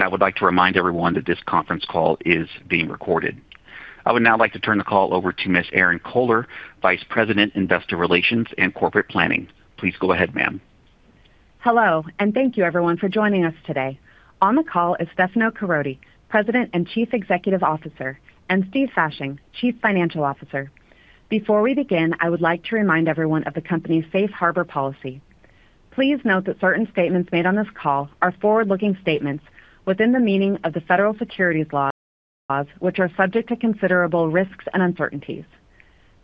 I would like to remind everyone that this conference call is being recorded. I would now like to turn the call over to Ms. Erinn Kohler, Vice President, Investor Relations and Corporate Planning. Please go ahead, ma'am. Hello, thank you everyone for joining us today. On the call is Stefano Caroti, President and Chief Executive Officer, and Steven Fasching, Chief Financial Officer. Before we begin, I would like to remind everyone of the company's safe harbor policy. Please note that certain statements made on this call are forward-looking statements within the meaning of the federal securities laws, which are subject to considerable risks and uncertainties.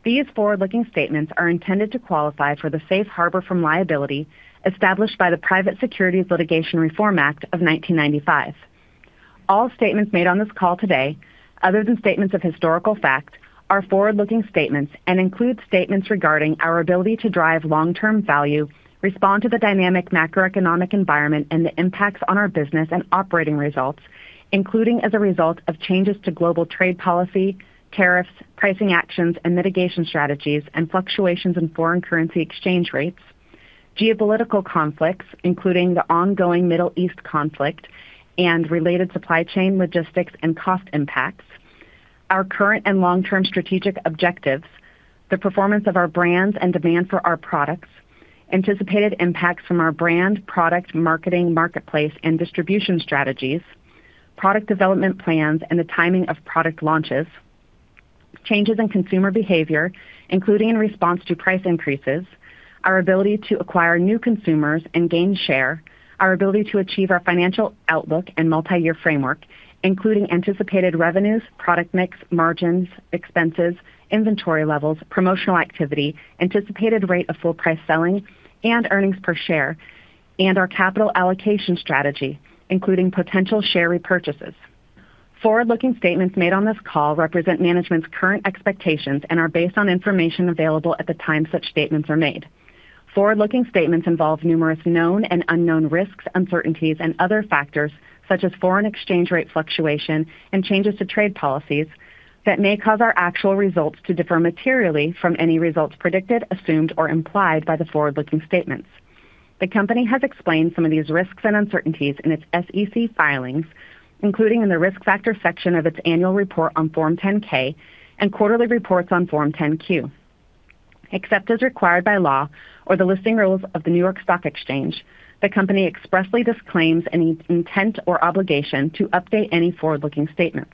These forward-looking statements are intended to qualify for the safe harbor from liability established by the Private Securities Litigation Reform Act of 1995. All statements made on this call today, other than statements of historical fact, are forward-looking statements and include statements regarding our ability to drive long-term value, respond to the dynamic macroeconomic environment and the impacts on our business and operating results, including as a result of changes to global trade policy, tariffs, pricing actions, and mitigation strategies, and fluctuations in foreign currency exchange rates, geopolitical conflicts, including the ongoing Middle East conflict and related supply chain logistics and cost impacts. Our current and long-term strategic objectives, the performance of our brands and demand for our products, anticipated impacts from our brand, product, marketing, marketplace, and distribution strategies, product development plans, and the timing of product launches, changes in consumer behavior, including in response to price increases, our ability to acquire new consumers and gain share, our ability to achieve our financial outlook and multi-year framework, including anticipated revenues, product mix, margins, expenses, inventory levels, promotional activity, anticipated rate of full price selling, and EPS, and our capital allocation strategy, including potential share repurchases. Forward-looking statements made on this call represent management's current expectations and are based on information available at the time such statements are made. Forward-looking statements involve numerous known and unknown risks, uncertainties, and other factors such as foreign exchange rate fluctuation and changes to trade policies that may cause our actual results to differ materially from any results predicted, assumed, or implied by the forward-looking statements. The company has explained some of these risks and uncertainties in its SEC filings, including in the Risk Factor section of its annual report on Form 10-K and quarterly reports on Form 10-Q. Except as required by law or the listing rules of the New York Stock Exchange, the company expressly disclaims any intent or obligation to update any forward-looking statements.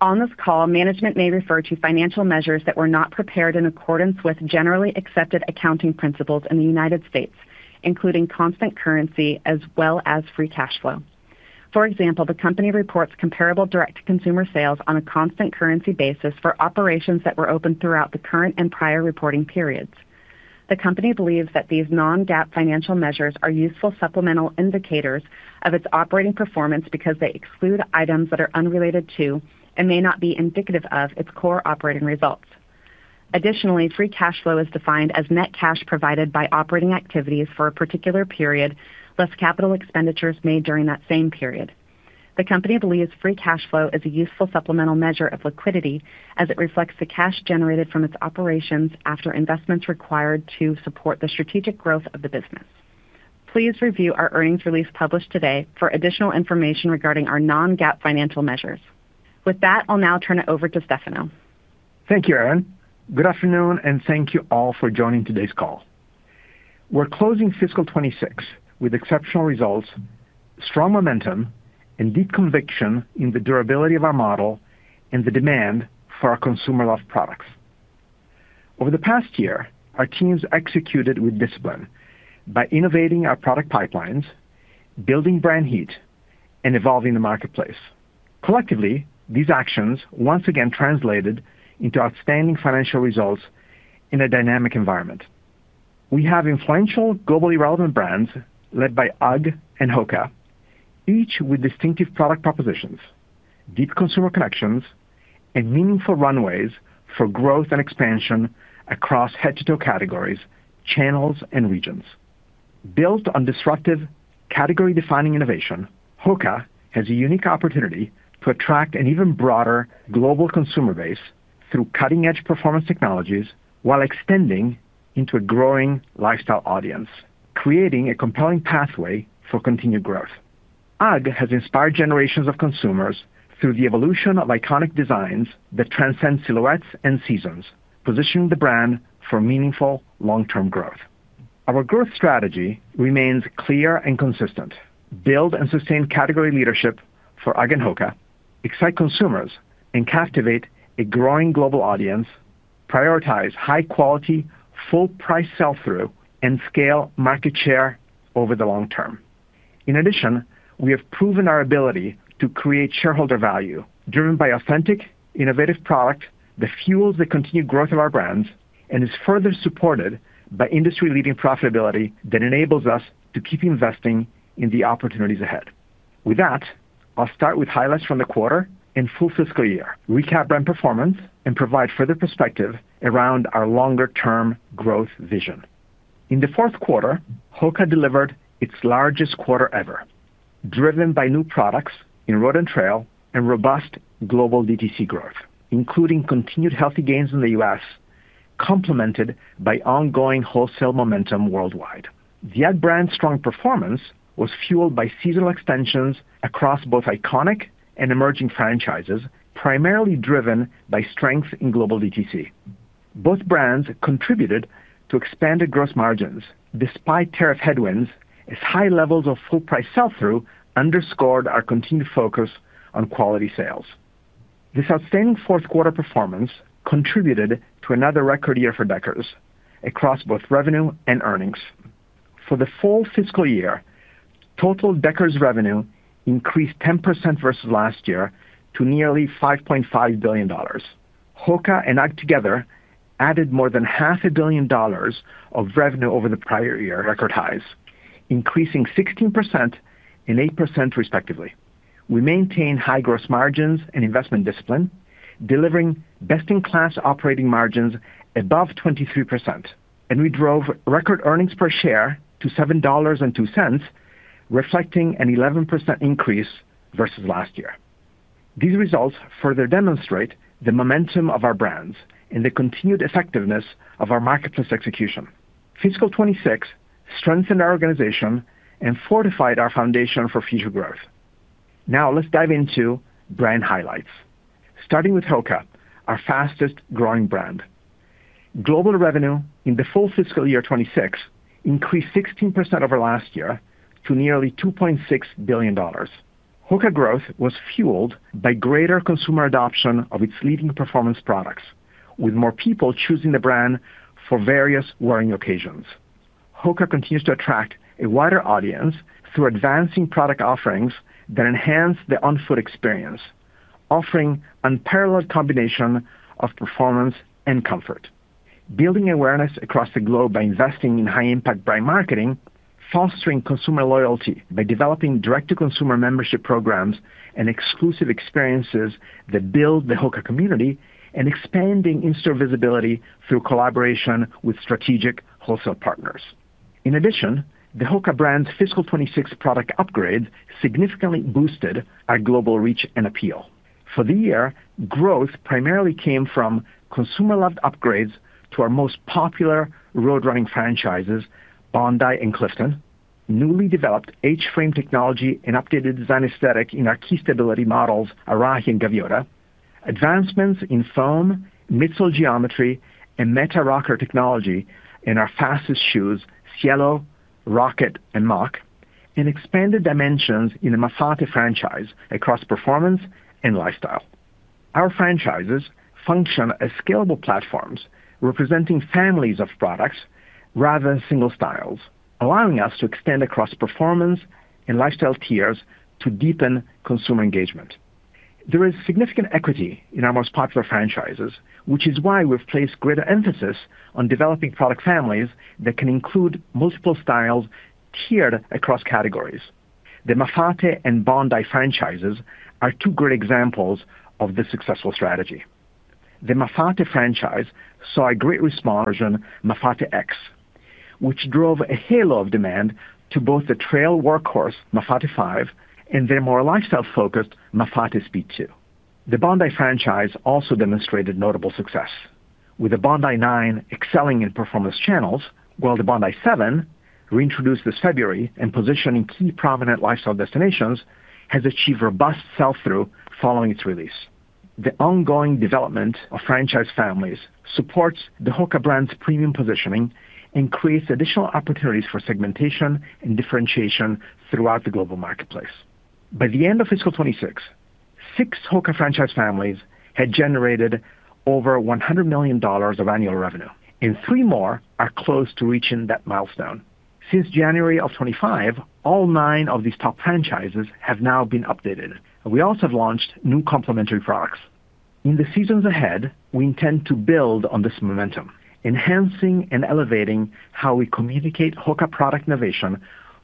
On this call, management may refer to financial measures that were not prepared in accordance with generally accepted accounting principles in the United States, including constant currency as well as free cash flow. For example, the company reports comparable direct-to-consumer sales on a constant currency basis for operations that were open throughout the current and prior reporting periods. The company believes that these non-GAAP financial measures are useful supplemental indicators of its operating performance because they exclude items that are unrelated to and may not be indicative of its core operating results. Additionally, free cash flow is defined as net cash provided by operating activities for a particular period, less capital expenditures made during that same period. The company believes free cash flow is a useful supplemental measure of liquidity as it reflects the cash generated from its operations after investments required to support the strategic growth of the business. Please review our earnings release published today for additional information regarding our non-GAAP financial measures. With that, I'll now turn it over to Stefano. Thank you, Erinn. Good afternoon, and thank you all for joining today's call. We're closing fiscal 2026 with exceptional results, strong momentum, and deep conviction in the durability of our model and the demand for our consumer love products. Over the past year, our teams executed with discipline by innovating our product pipelines, building brand heat, and evolving the marketplace. Collectively, these actions once again translated into outstanding financial results in a dynamic environment. We have influential, globally relevant brands led by UGG and HOKA, each with distinctive product propositions, deep consumer connections, and meaningful runways for growth and expansion across head-to-toe categories, channels, and regions. Built on disruptive category-defining innovation, HOKA has a unique opportunity to attract an even broader global consumer base through cutting-edge performance technologies while extending into a growing lifestyle audience, creating a compelling pathway for continued growth. UGG has inspired generations of consumers through the evolution of iconic designs that transcend silhouettes and seasons, positioning the brand for meaningful long-term growth. Our growth strategy remains clear and consistent. Build and sustain category leadership for UGG and HOKA, excite consumers, and captivate a growing global audience, prioritize high-quality, full price sell-through, and scale market share over the long term. In addition, we have proven our ability to create shareholder value driven by authentic, innovative product that fuels the continued growth of our brands and is further supported by industry-leading profitability that enables us to keep investing in the opportunities ahead. With that, I'll start with highlights from the quarter and full fiscal year, recap brand performance, and provide further perspective around our longer-term growth vision. In the fourth quarter, HOKA delivered its largest quarter ever, driven by new products in road and trail and robust global DTC growth, including continued healthy gains in the U.S. Complemented by ongoing wholesale momentum worldwide. The UGG brand's strong performance was fueled by seasonal extensions across both iconic and emerging franchises, primarily driven by strength in global DTC. Both brands contributed to expanded gross margins despite tariff headwinds, as high levels of full price sell-through underscored our continued focus on quality sales. This outstanding fourth quarter performance contributed to another record year for Deckers across both revenue and earnings. For the full fiscal year, total Deckers revenue increased 10% versus last year to nearly $5.5 billion. HOKA and UGG together added more than $500 million dollars of revenue over the prior year record highs, increasing 16% and 8% respectively. We maintained high gross margins and investment discipline, delivering best-in-class operating margins above 23%. We drove record earnings per share to $7.02, reflecting an 11% increase versus last year. These results further demonstrate the momentum of our brands and the continued effectiveness of our marketplace execution. Fiscal 2026 strengthened our organization and fortified our foundation for future growth. Let's dive into brand highlights. Starting with HOKA, our fastest growing brand. Global revenue in the full fiscal year 2026 increased 16% over last year to nearly $2.6 billion. HOKA growth was fueled by greater consumer adoption of its leading performance products, with more people choosing the brand for various wearing occasions. HOKA continues to attract a wider audience through advancing product offerings that enhance the on-foot experience, offering unparalleled combination of performance and comfort. Building awareness across the globe by investing in high impact brand marketing, fostering consumer loyalty by developing direct-to-consumer membership programs and exclusive experiences that build the HOKA community, and expanding in-store visibility through collaboration with strategic wholesale partners. In addition, the HOKA brand's fiscal 2026 product upgrade significantly boosted our global reach and appeal. For the year, growth primarily came from consumer-led upgrades to our most popular road running franchises, Bondi and Clifton, newly developed H-Frame technology, and updated design aesthetic in our key stability models, Arahi and Gaviota, advancements in foam, midsole geometry, and Meta-Rocker technology in our fastest shoes, Cielo, Rocket, and Mach, and expanded dimensions in the Mafate franchise across performance and lifestyle. Our franchises function as scalable platforms representing families of products rather than single styles, allowing us to extend across performance and lifestyle tiers to deepen consumer engagement. There is significant equity in our most popular franchises, which is why we've placed greater emphasis on developing product families that can include multiple styles tiered across categories. The Mafate and Bondi franchises are two great examples of this successful strategy. The Mafate franchise saw a great response from Mafate X, which drove a halo of demand to both the trail workhorse, Mafate 5, and their more lifestyle-focused Mafate Speed 2. The Bondi franchise also demonstrated notable success, with the Bondi 9 excelling in performance channels, while the Bondi 7, reintroduced this February and positioned in key prominent lifestyle destinations, has achieved robust sell-through following its release. The ongoing development of franchise families supports the HOKA brand's premium positioning and creates additional opportunities for segmentation and differentiation throughout the global marketplace. By the end of fiscal 2026, 6 HOKA franchise families had generated over $100 million of annual revenue, and three more are close to reaching that milestone. Since January of 2025, all nine of these top franchises have now been updated, and we also have launched new complementary products. In the seasons ahead, we intend to build on this momentum, enhancing and elevating how we communicate HOKA product innovation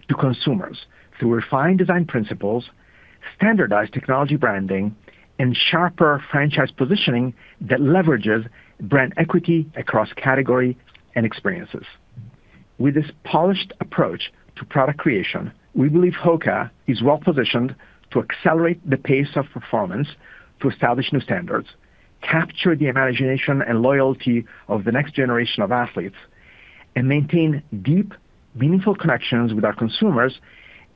to consumers through refined design principles, standardized technology branding, and sharper franchise positioning that leverages brand equity across category and experiences. With this polished approach to product creation, we believe HOKA is well-positioned to accelerate the pace of performance to establish new standards, capture the imagination and loyalty of the next generation of athletes, and maintain deep, meaningful connections with our consumers,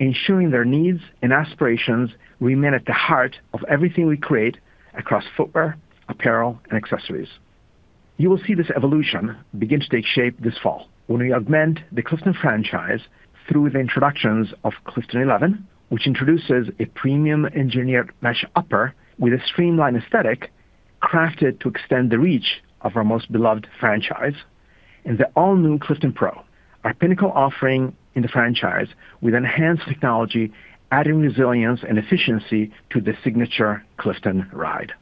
ensuring their needs and aspirations remain at the heart of everything we create across footwear, apparel, and accessories. You will see this evolution begin to take shape this fall when we augment the Clifton franchise through the introductions of Clifton 11, which introduces a premium engineered mesh upper with a streamlined aesthetic crafted to extend the reach of our most beloved franchise, and the all-new Clifton Pro, our pinnacle offering in the franchise with enhanced technology, adding resilience and efficiency to the signature Clifton ride.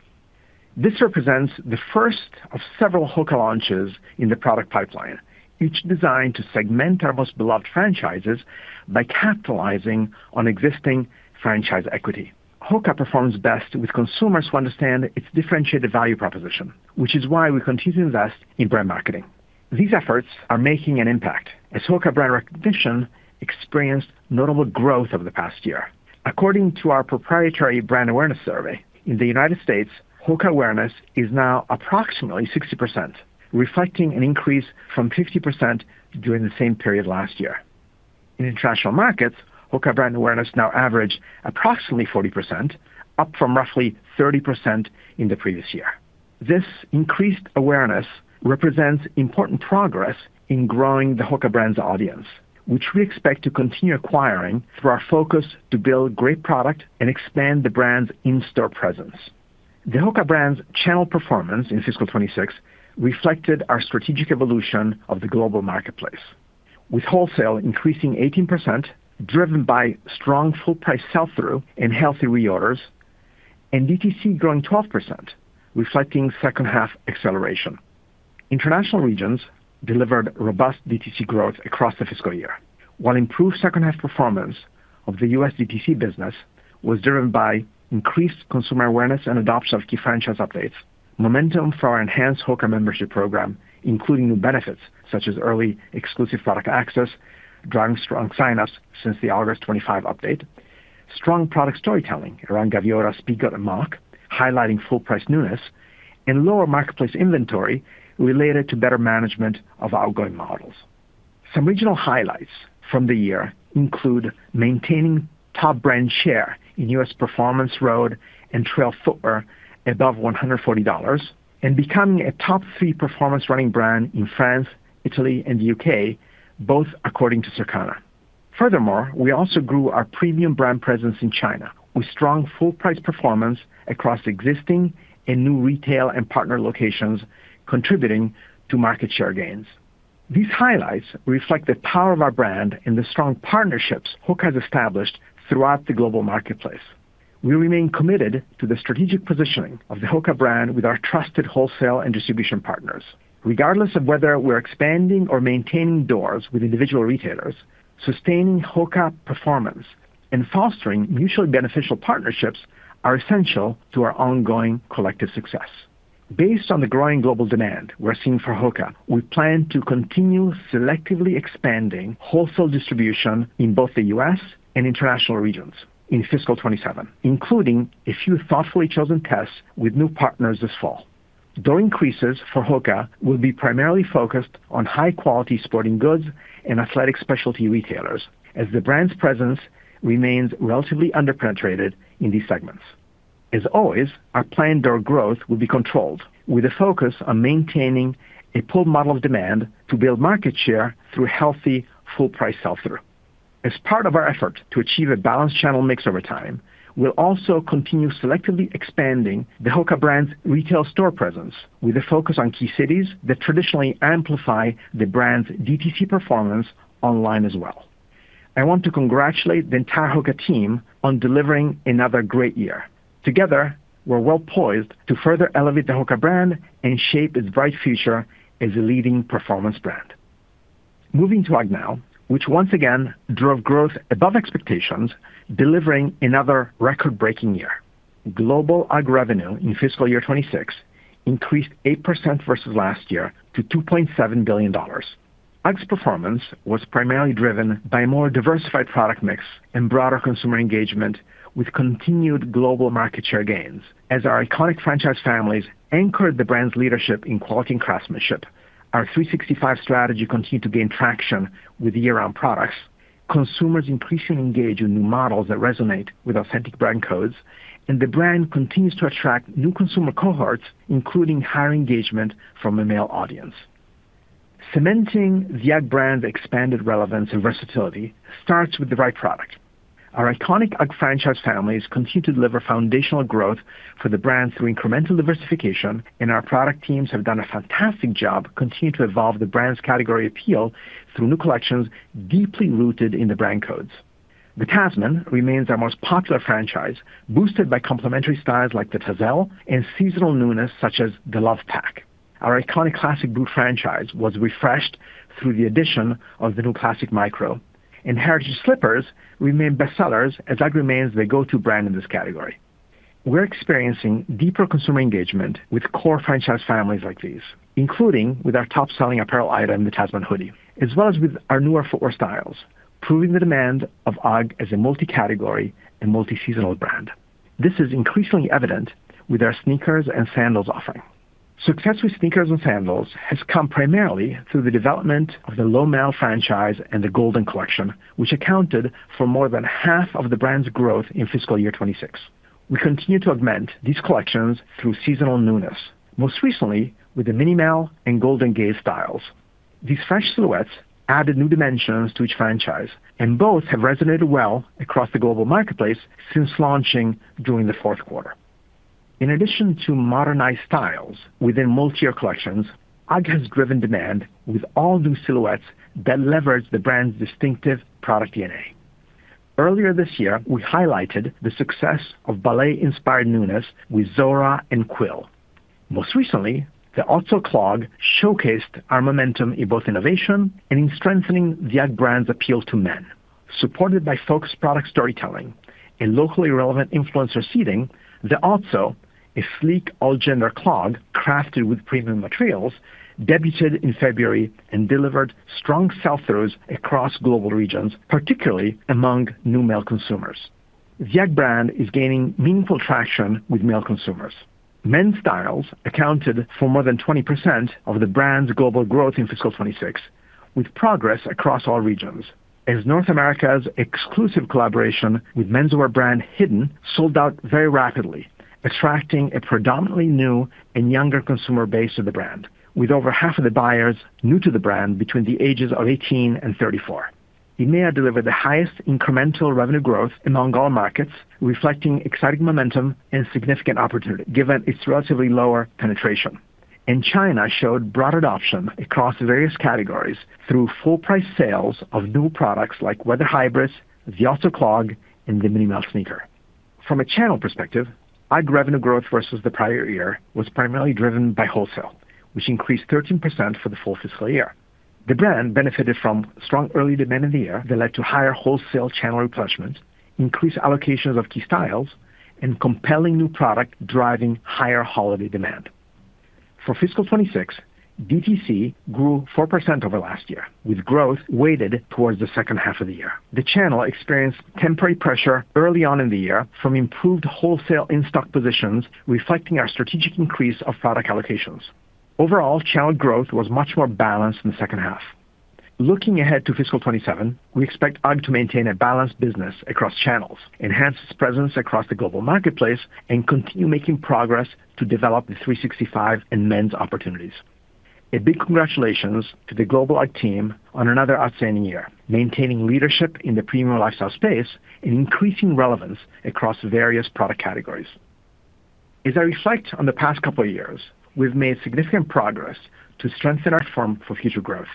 This represents the first of several HOKA launches in the product pipeline, each designed to segment our most beloved franchises by capitalizing on existing franchise equity. HOKA performs best with consumers who understand its differentiated value proposition, which is why we continue to invest in brand marketing. These efforts are making an impact as HOKA brand recognition experienced notable growth over the past year. According to our proprietary brand awareness survey, in the United States, HOKA awareness is now approximately 60%, reflecting an increase from 50% during the same period last year. In international markets, HOKA brand awareness now averaged approximately 40%, up from roughly 30% in the previous year. This increased awareness represents important progress in growing the HOKA brand's audience, which we expect to continue acquiring through our focus to build great product and expand the brand's in-store presence. The HOKA brand's channel performance in FY 2026 reflected our strategic evolution of the global marketplace, with wholesale increasing 18%, driven by strong full price sell-through and healthy reorders, and DTC growing 12%, reflecting second half acceleration. International regions delivered robust DTC growth across the fiscal year. While improved second half performance of the U.S. DTC business was driven by increased consumer awareness and adoption of key franchise updates, momentum for our enhanced HOKA membership program, including new benefits such as early exclusive product access, driving strong sign-ups since the August 25 update, strong product storytelling around Gaviota, Speedgoat, and Mach, highlighting full price newness, and lower marketplace inventory related to better management of outgoing models. Some regional highlights from the year include maintaining top brand share in U.S. performance road and trail footwear above $140 and becoming a top three performance running brand in France, Italy, and the U.K., both according to Circana. Furthermore, we also grew our premium brand presence in China with strong full price performance across existing and new retail and partner locations, contributing to market share gains. These highlights reflect the power of our brand and the strong partnerships HOKA has established throughout the global marketplace. We remain committed to the strategic positioning of the HOKA brand with our trusted wholesale and distribution partners. Regardless of whether we're expanding or maintaining doors with individual retailers, sustaining HOKA performance and fostering mutually beneficial partnerships are essential to our ongoing collective success. Based on the growing global demand we're seeing for HOKA, we plan to continue selectively expanding wholesale distribution in both the U.S. and international regions in fiscal 2027, including a few thoughtfully chosen tests with new partners this fall. Door increases for HOKA will be primarily focused on high-quality sporting goods and athletic specialty retailers, as the brand's presence remains relatively under-penetrated in these segments. As always, our planned door growth will be controlled with a focus on maintaining a pull model of demand to build market share through healthy full price sell-through. As part of our effort to achieve a balanced channel mix over time, we will also continue selectively expanding the HOKA brand's retail store presence with a focus on key cities that traditionally amplify the brand's DTC performance online as well. I want to congratulate the entire HOKA team on delivering another great year. Together, we are well-poised to further elevate the HOKA brand and shape its bright future as a leading performance brand. Moving to UGG now, which once again drove growth above expectations, delivering another record-breaking year. Global UGG revenue in fiscal year 2026 increased 8% versus last year to $2.7 billion. UGG's performance was primarily driven by a more diversified product mix and broader consumer engagement with continued global market share gains. As our iconic franchise families anchored the brand's leadership in quality and craftsmanship, our 365 strategy continued to gain traction with year-round products. Consumers increasingly engage in new models that resonate with authentic brand codes, the brand continues to attract new consumer cohorts, including higher engagement from a male audience. Cementing the UGG brand's expanded relevance and versatility starts with the right product. Our iconic UGG franchise families continue to deliver foundational growth for the brand through incremental diversification, our product teams have done a fantastic job continuing to evolve the brand's category appeal through new collections deeply rooted in the brand codes. The Tasman remains our most popular franchise, boosted by complementary styles like the Tazz and seasonal newness such as the Love Pack. Our iconic classic boot franchise was refreshed through the addition of the new Classic Micro, and Heritage slippers remain bestsellers as UGG remains the go-to brand in this category. We're experiencing deeper consumer engagement with core franchise families like these, including with our top-selling apparel item, the Tasman Hoodie, as well as with our newer footwear styles, proving the demand of UGG as a multi-category and multi-seasonal brand. This is increasingly evident with our sneakers and sandals offering. Success with sneakers and sandals has come primarily through the development of the Lowmel franchise and the Golden Collection, which accounted for more than half of the brand's growth in fiscal year 2026. We continue to augment these collections through seasonal newness, most recently with the Minimel and GoldenGaze styles. These fresh silhouettes added new dimensions to each franchise, and both have resonated well across the global marketplace since launching during the fourth quarter. In addition to modernized styles within multi-year collections, UGG has driven demand with all-new silhouettes that leverage the brand's distinctive product DNA. Earlier this year, we highlighted the success of ballet-inspired newness with Zora and Quill. Most recently, the Otzo clog showcased our momentum in both innovation and in strengthening the UGG brand's appeal to men. Supported by focused product storytelling and locally relevant influencer seeding, the Otzo, a sleek all-gender clog crafted with premium materials, debuted in February and delivered strong sell-throughs across global regions, particularly among new male consumers. The UGG brand is gaining meaningful traction with male consumers. Men's styles accounted for more than 20% of the brand's global growth in fiscal 2026, with progress across all regions, as North America's exclusive collaboration with menswear brand Hidden sold out very rapidly, attracting a predominantly new and younger consumer base of the brand, with over 1/2 of the buyers new to the brand between the ages of 18 and 34. EMEA delivered the highest incremental revenue growth among all markets, reflecting exciting momentum and significant opportunity given its relatively lower penetration. China showed broad adoption across various categories through full-price sales of new products like weather hybrids, the Otzo clog, and the Minimel sneaker. From a channel perspective, UGG revenue growth versus the prior year was primarily driven by wholesale, which increased 13% for the full fiscal year. The brand benefited from strong early demand in the year that led to higher wholesale channel replenishment, increased allocations of key styles, and compelling new product driving higher holiday demand. For fiscal 2026, DTC grew 4% over last year, with growth weighted towards the second half of the year. The channel experienced temporary pressure early on in the year from improved wholesale in-stock positions, reflecting our strategic increase of product allocations. Overall, channel growth was much more balanced in the second half. Looking ahead to fiscal 2027, we expect UGG to maintain a balanced business across channels, enhance its presence across the global marketplace, and continue making progress to develop the 365 and men's opportunities. A big congratulations to the global UGG team on another outstanding year, maintaining leadership in the premium lifestyle space and increasing relevance across various product categories. As I reflect on the past couple of years, we've made significant progress to strengthen our platform for future growth.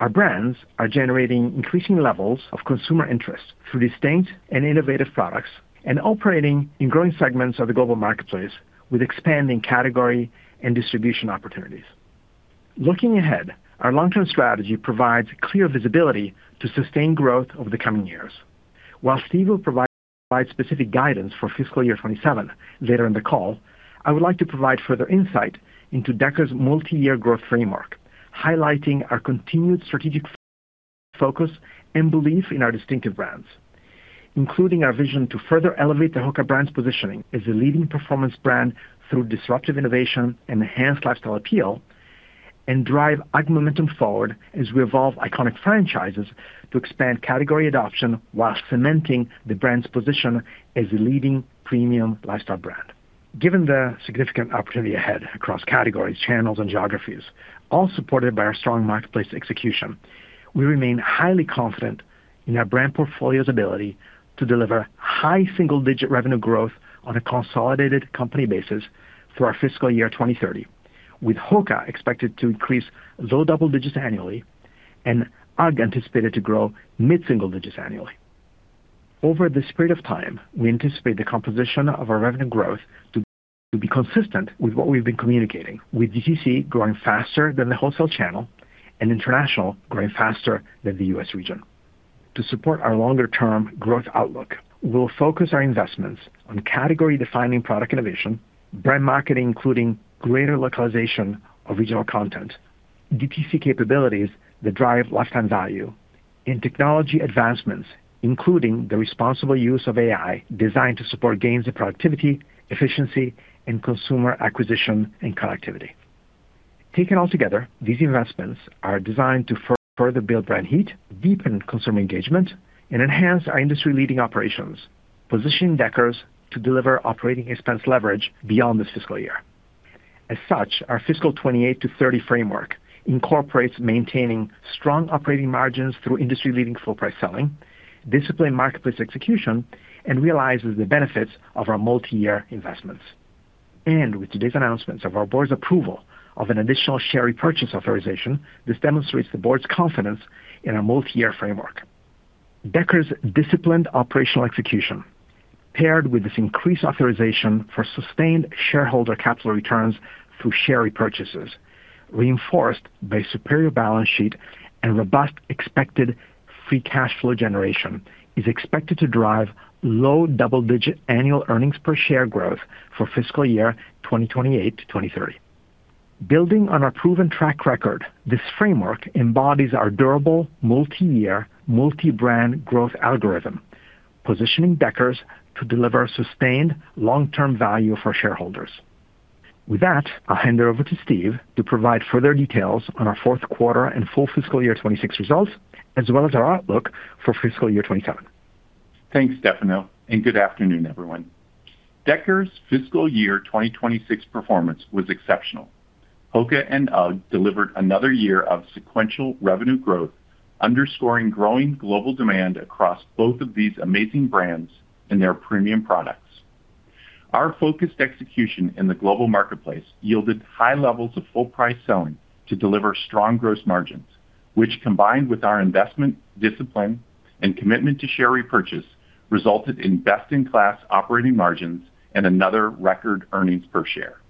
Our brands are generating increasing levels of consumer interest through distinct and innovative products and operating in growing segments of the global marketplace with expanding category and distribution opportunities. Looking ahead, our long-term strategy provides clear visibility to sustain growth over the coming years. While Steve will provide specific guidance for fiscal year 2027 later in the call, I would like to provide further insight into Deckers' multi-year growth framework, highlighting our continued strategic focus and belief in our distinctive brands, including our vision to further elevate the HOKA brand's positioning as a leading performance brand through disruptive innovation, enhanced lifestyle appeal, and drive UGG momentum forward as we evolve iconic franchises to expand category adoption while cementing the brand's position as a leading premium lifestyle brand. Given the significant opportunity ahead across categories, channels, and geographies, all supported by our strong marketplace execution, we remain highly confident in our brand portfolio's ability to deliver high single-digit revenue growth on a consolidated company basis through our fiscal year 2030, with HOKA expected to increase low double digits annually and UGG anticipated to grow mid-single digits annually. Over this period of time, we anticipate the composition of our revenue growth to be consistent with what we've been communicating, with DTC growing faster than the wholesale channel and international growing faster than the U.S. region. To support our longer-term growth outlook, we'll focus our investments on category-defining product innovation, brand marketing, including greater localization of regional content, DTC capabilities that drive lifetime value, and technology advancements, including the responsible use of AI designed to support gains in productivity, efficiency, and consumer acquisition and connectivity. Taken altogether, these investments are designed to further build brand heat, deepen consumer engagement, and enhance our industry-leading operations, positioning Deckers to deliver operating expense leverage beyond this fiscal year. As such, our fiscal 2028-2030 framework incorporates maintaining strong operating margins through industry-leading full-price selling, disciplined marketplace execution, and realizes the benefits of our multi-year investments. With today's announcements of our Board's approval of an additional share repurchase authorization, this demonstrates the Board's confidence in our multi-year framework. Deckers' disciplined operational execution, paired with this increased authorization for sustained shareholder capital returns through share repurchases, reinforced by superior balance sheet and robust expected free cash flow generation, is expected to drive low double-digit annual earnings per share growth for fiscal year 2028-2030. Building on our proven track record, this framework embodies our durable multi-year, multi-brand growth algorithm, positioning Deckers to deliver sustained long-term value for shareholders. With that, I'll hand it over to Steve to provide further details on our fourth quarter and full fiscal year 2026 results, as well as our outlook for fiscal year 2027. Thanks, Stefano, and good afternoon, everyone. Deckers' fiscal year 2026 performance was exceptional. HOKA and UGG delivered another year of sequential revenue growth, underscoring growing global demand across both of these amazing brands and their premium products. Our focused execution in the global marketplace yielded high levels of full price selling to deliver strong gross margins, which, combined with our investment discipline and commitment to share repurchase, resulted in best-in-class operating margins and another record earnings per share.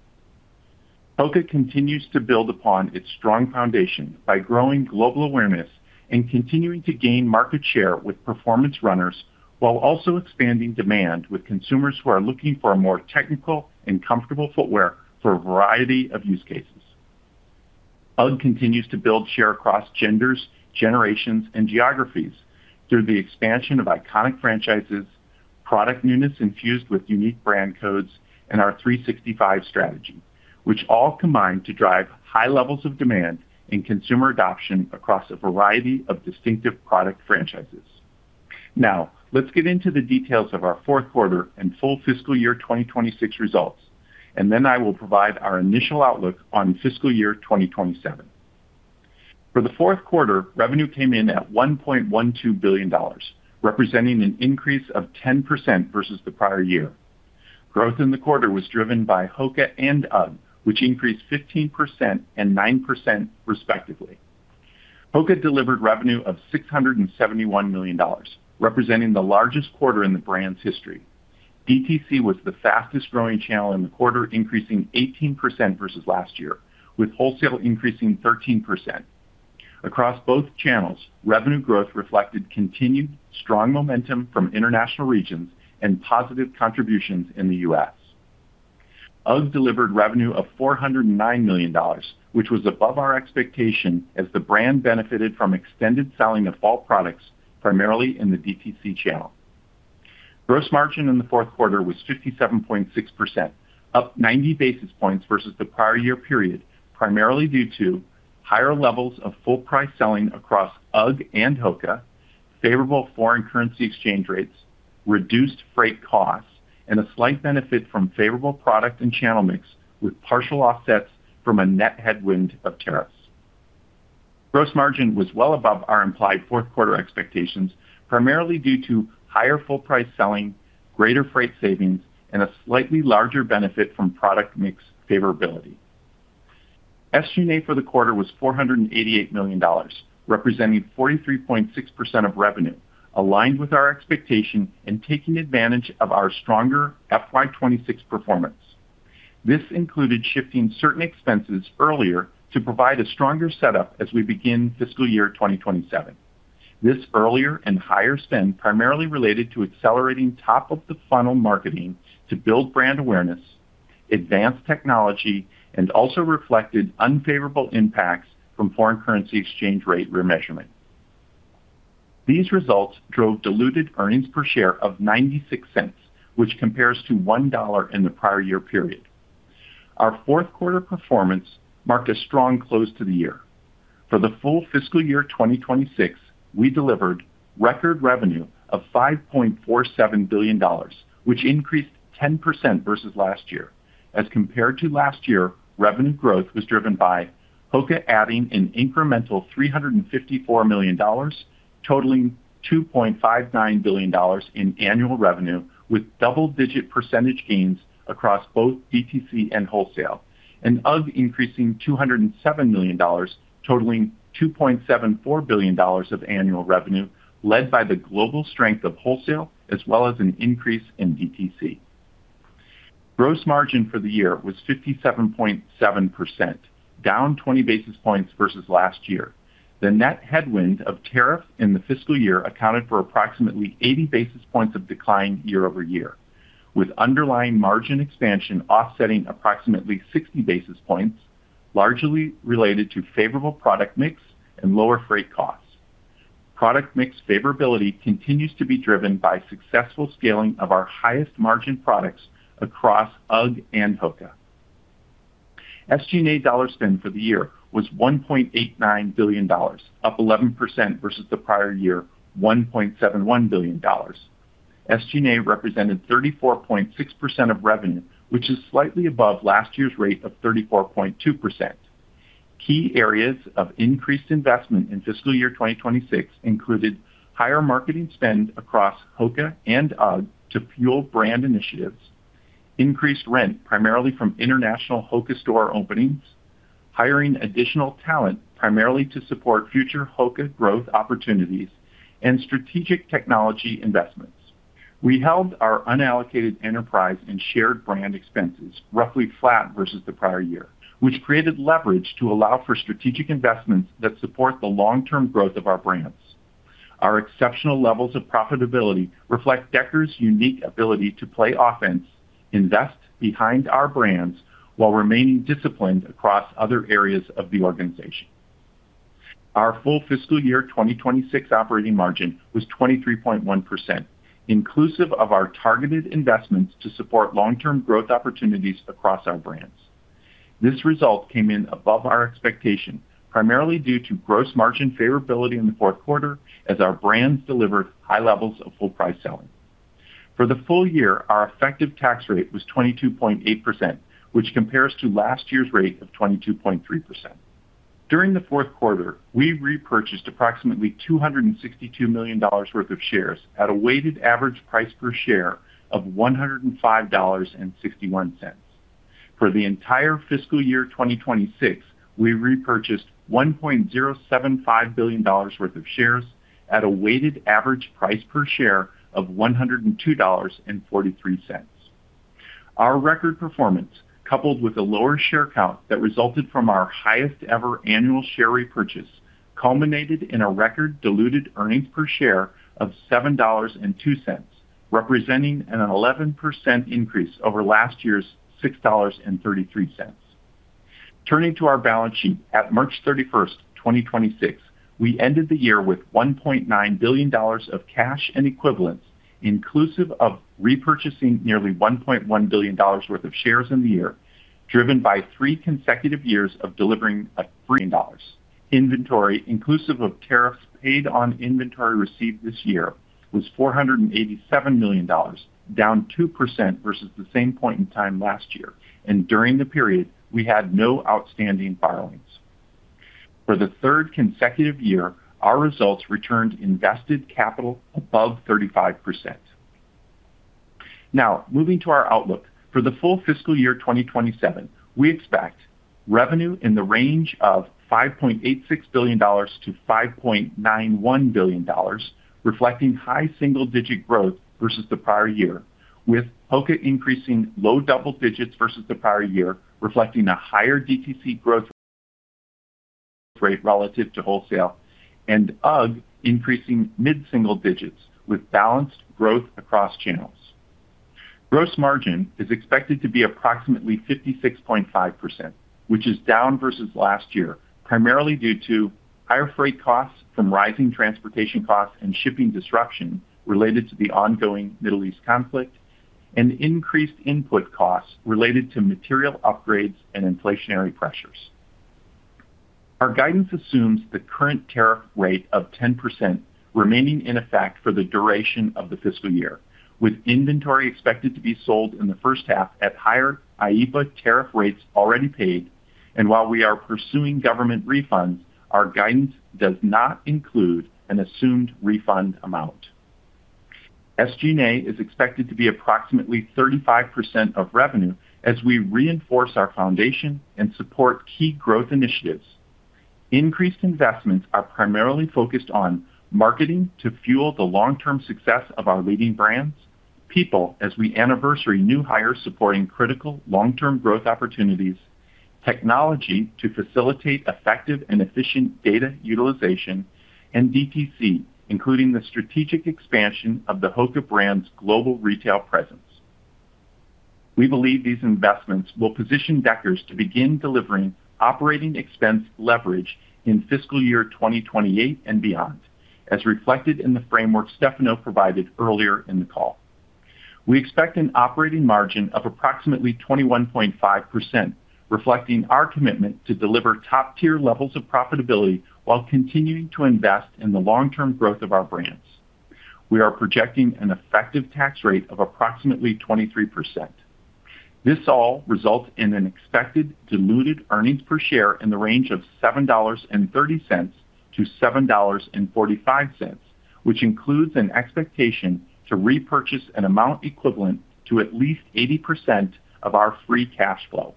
HOKA continues to build upon its strong foundation by growing global awareness and continuing to gain market share with performance runners, while also expanding demand with consumers who are looking for a more technical and comfortable footwear for a variety of use cases. UGG continues to build share across genders, generations, and geographies through the expansion of iconic franchises, product newness infused with unique brand codes, and our 365 strategy, which all combine to drive high levels of demand and consumer adoption across a variety of distinctive product franchises. Let's get into the details of our fourth quarter and full fiscal year 2026 results, and then I will provide our initial outlook on fiscal year 2027. For the fourth quarter, revenue came in at $1.12 billion, representing an increase of 10% versus the prior year. Growth in the quarter was driven by HOKA and UGG, which increased 15% and 9%, respectively. HOKA delivered revenue of $671 million, representing the largest quarter in the brand's history. DTC was the fastest-growing channel in the quarter, increasing 18% versus last year, with wholesale increasing 13%. Across both channels, revenue growth reflected continued strong momentum from international regions and positive contributions in the U.S. UGG delivered revenue of $409 million, which was above our expectation as the brand benefited from extended selling of fall products, primarily in the DTC channel. Gross margin in the fourth quarter was 57.6%, up 90 basis points versus the prior year period, primarily due to higher levels of full price selling across UGG and HOKA, favorable foreign currency exchange rates, reduced freight costs, and a slight benefit from favorable product and channel mix with partial offsets from a net headwind of tariffs. Gross margin was well above our implied fourth quarter expectations, primarily due to higher full price selling, greater freight savings, and a slightly larger benefit from product mix favorability. SG&A for the quarter was $488 million, representing 43.6% of revenue, aligned with our expectation and taking advantage of our stronger FY 2026 performance. This included shifting certain expenses earlier to provide a stronger setup as we begin fiscal year 2027. This earlier and higher spend primarily related to accelerating top-of-the-funnel marketing to build brand awareness, advanced technology, and also reflected unfavorable impacts from foreign currency exchange rate remeasurement. These results drove diluted earnings per share of $0.96, which compares to $1 in the prior year period. Our fourth quarter performance marked a strong close to the year. For the full fiscal year 2026, we delivered record revenue of $5.47 billion, which increased 10% versus last year. As compared to last year, revenue growth was driven by HOKA adding an incremental $354 million, totaling $2.59 billion in annual revenue, with double-digit % gains across both DTC and wholesale, and UGG increasing $207 million, totaling $2.74 billion of annual revenue, led by the global strength of wholesale as well as an increase in DTC. Gross margin for the year was 57.7%, down 20 basis points versus last year. The net headwind of tariff in the fiscal year accounted for approximately 80 basis points of decline year-over-year, with underlying margin expansion offsetting approximately 60 basis points, largely related to favorable product mix and lower freight costs. Product mix favorability continues to be driven by successful scaling of our highest-margin products across UGG and HOKA. SG&A dollar spend for the year was $1.89 billion, up 11% versus the prior year, $1.71 billion. SG&A represented 34.6% of revenue, which is slightly above last year's rate of 34.2%. Key areas of increased investment in fiscal year 2026 included higher marketing spend across HOKA and UGG to fuel brand initiatives, increased rent primarily from international HOKA store openings, hiring additional talent primarily to support future HOKA growth opportunities, and strategic technology investments. We held our unallocated enterprise and shared brand expenses roughly flat versus the prior year, which created leverage to allow for strategic investments that support the long-term growth of our brands. Our exceptional levels of profitability reflect Deckers' unique ability to play offense, invest behind our brands while remaining disciplined across other areas of the organization. Our full fiscal year 2026 operating margin was 23.1%, inclusive of our targeted investments to support long-term growth opportunities across our brands. This result came in above our expectation, primarily due to gross margin favorability in the fourth quarter as our brands delivered high levels of full price selling. For the full year, our effective tax rate was 22.8%, which compares to last year's rate of 22.3%. During the fourth quarter, we repurchased approximately $262 million worth of shares at a weighted average price per share of $105.61. For the entire fiscal year 2026, we repurchased $1.075 billion worth of shares at a weighted average price per share of $102.43. Our record performance, coupled with a lower share count that resulted from our highest-ever annual share repurchase, culminated in a record diluted earnings per share of $7.02, representing an 11% increase over last year's $6.33. Turning to our balance sheet, at March 31st, 2026, we ended the year with $1.9 billion of cash and equivalents, inclusive of repurchasing nearly $1.1 billion worth of shares in the year, driven by three consecutive years of delivering $1 billion. Inventory, inclusive of tariffs paid on inventory received this year, was $487 million, down 2% versus the same point in time last year. During the period, we had no outstanding borrowings. For the third consecutive year, our results returned invested capital above 35%. Moving to our outlook. For the full fiscal year 2027, we expect revenue in the range of $5.86 billion-$5.91 billion, reflecting high single-digit growth versus the prior year, with HOKA increasing low double digits versus the prior year, reflecting a higher DTC growth rate relative to wholesale, and UGG increasing mid-single digits with balanced growth across channels. Gross margin is expected to be approximately 56.5%, which is down versus last year, primarily due to higher freight costs from rising transportation costs and shipping disruption related to the ongoing Middle East conflict, and increased input costs related to material upgrades and inflationary pressures. Our guidance assumes the current tariff rate of 10% remaining in effect for the duration of the fiscal year, with inventory expected to be sold in the first half at higher IEEPA tariff rates already paid. While we are pursuing government refunds, our guidance does not include an assumed refund amount. SG&A is expected to be approximately 35% of revenue as we reinforce our foundation and support key growth initiatives. Increased investments are primarily focused on marketing to fuel the long-term success of our leading brands, people, as we anniversary new hires supporting critical long-term growth opportunities, technology to facilitate effective and efficient data utilization, and DTC, including the strategic expansion of the HOKA brand's global retail presence. We believe these investments will position Deckers to begin delivering operating expense leverage in fiscal year 2028 and beyond, as reflected in the framework Stefano provided earlier in the call. We expect an operating margin of approximately 21.5%, reflecting our commitment to deliver top-tier levels of profitability while continuing to invest in the long-term growth of our brands. We are projecting an effective tax rate of approximately 23%. This all results in an expected diluted earnings per share in the range of $7.30-$7.45, which includes an expectation to repurchase an amount equivalent to at least 80% of our free cash flow.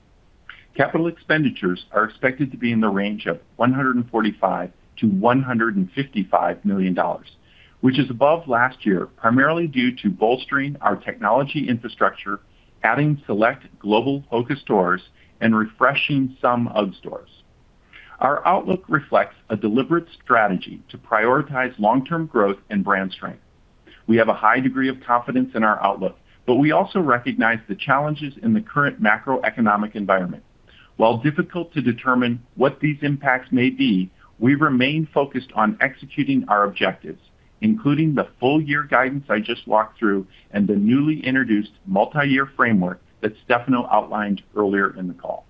Capital expenditures are expected to be in the range of $145 million-$155 million, which is above last year, primarily due to bolstering our technology infrastructure, adding select global HOKA stores and refreshing some UGG stores. Our outlook reflects a deliberate strategy to prioritize long-term growth and brand strength. We have a high degree of confidence in our outlook, but we also recognize the challenges in the current macroeconomic environment. While difficult to determine what these impacts may be, we remain focused on executing our objectives, including the full-year guidance I just walked through and the newly introduced multi-year framework that Stefano outlined earlier in the call.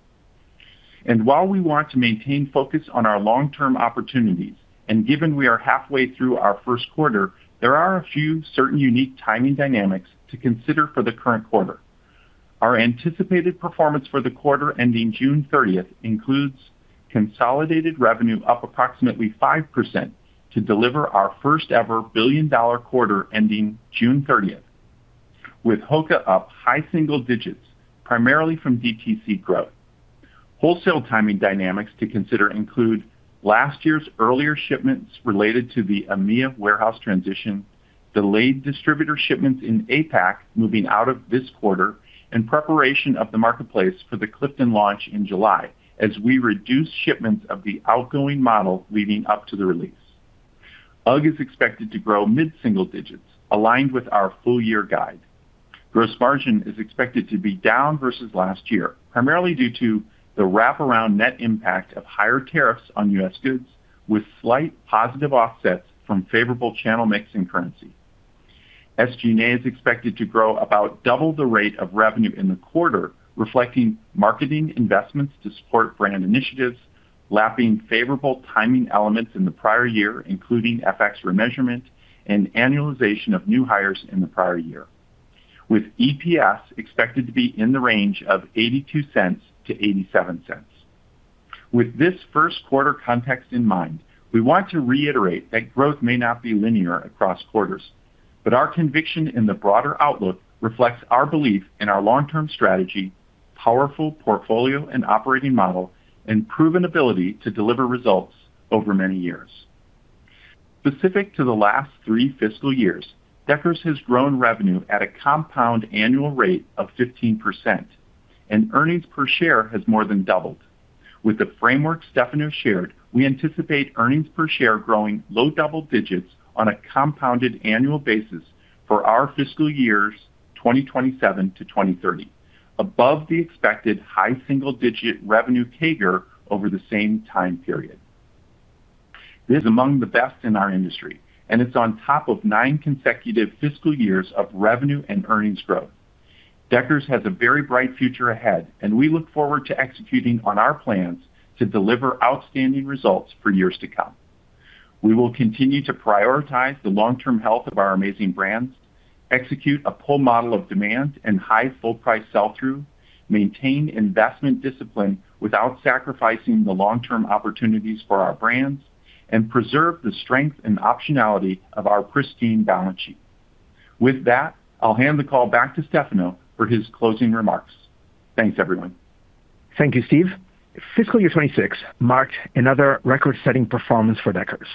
While we want to maintain focus on our long-term opportunities, and given we are halfway through our first quarter, there are a few certain unique timing dynamics to consider for the current quarter. Our anticipated performance for the quarter ending June 30th includes consolidated revenue up approximately 5% to deliver our first-ever billion-dollar quarter ending June 30th, with HOKA up high single digits, primarily from DTC growth. Wholesale timing dynamics to consider include last year's earlier shipments related to the EMEA warehouse transition, delayed distributor shipments in APAC moving out of this quarter, and preparation of the marketplace for the Clifton launch in July as we reduce shipments of the outgoing model leading up to the release. UGG is expected to grow mid-single digits, aligned with our full-year guide. Gross margin is expected to be down versus last year, primarily due to the wraparound net impact of higher tariffs on U.S. goods, with slight positive offsets from favorable channel mix and currency. SG&A is expected to grow about double the rate of revenue in the quarter, reflecting marketing investments to support brand initiatives, lapping favorable timing elements in the prior year, including FX remeasurement and annualization of new hires in the prior year. With EPS expected to be in the range of $0.82-$0.87. With this first quarter context in mind, we want to reiterate that growth may not be linear across quarters, but our conviction in the broader outlook reflects our belief in our long-term strategy, powerful portfolio and operating model, and proven ability to deliver results over many years. Specific to the last three fiscal years, Deckers has grown revenue at a compound annual rate of 15%, and earnings per share has more than doubled. With the framework Stefano shared, we anticipate earnings per share growing low double digits on a compounded annual basis for our fiscal years 2027-2030, above the expected high single-digit revenue CAGR over the same time period. This is among the best in our industry. It's on top of nine consecutive fiscal years of revenue and earnings growth. Deckers has a very bright future ahead, and we look forward to executing on our plans to deliver outstanding results for years to come. We will continue to prioritize the long-term health of our amazing brands, execute a pull model of demand and high full price sell-through, maintain investment discipline without sacrificing the long-term opportunities for our brands, and preserve the strength and optionality of our pristine balance sheet. With that, I'll hand the call back to Stefano for his closing remarks. Thanks, everyone. Thank you, Steve. Fiscal year 2026 marked another record-setting performance for Deckers.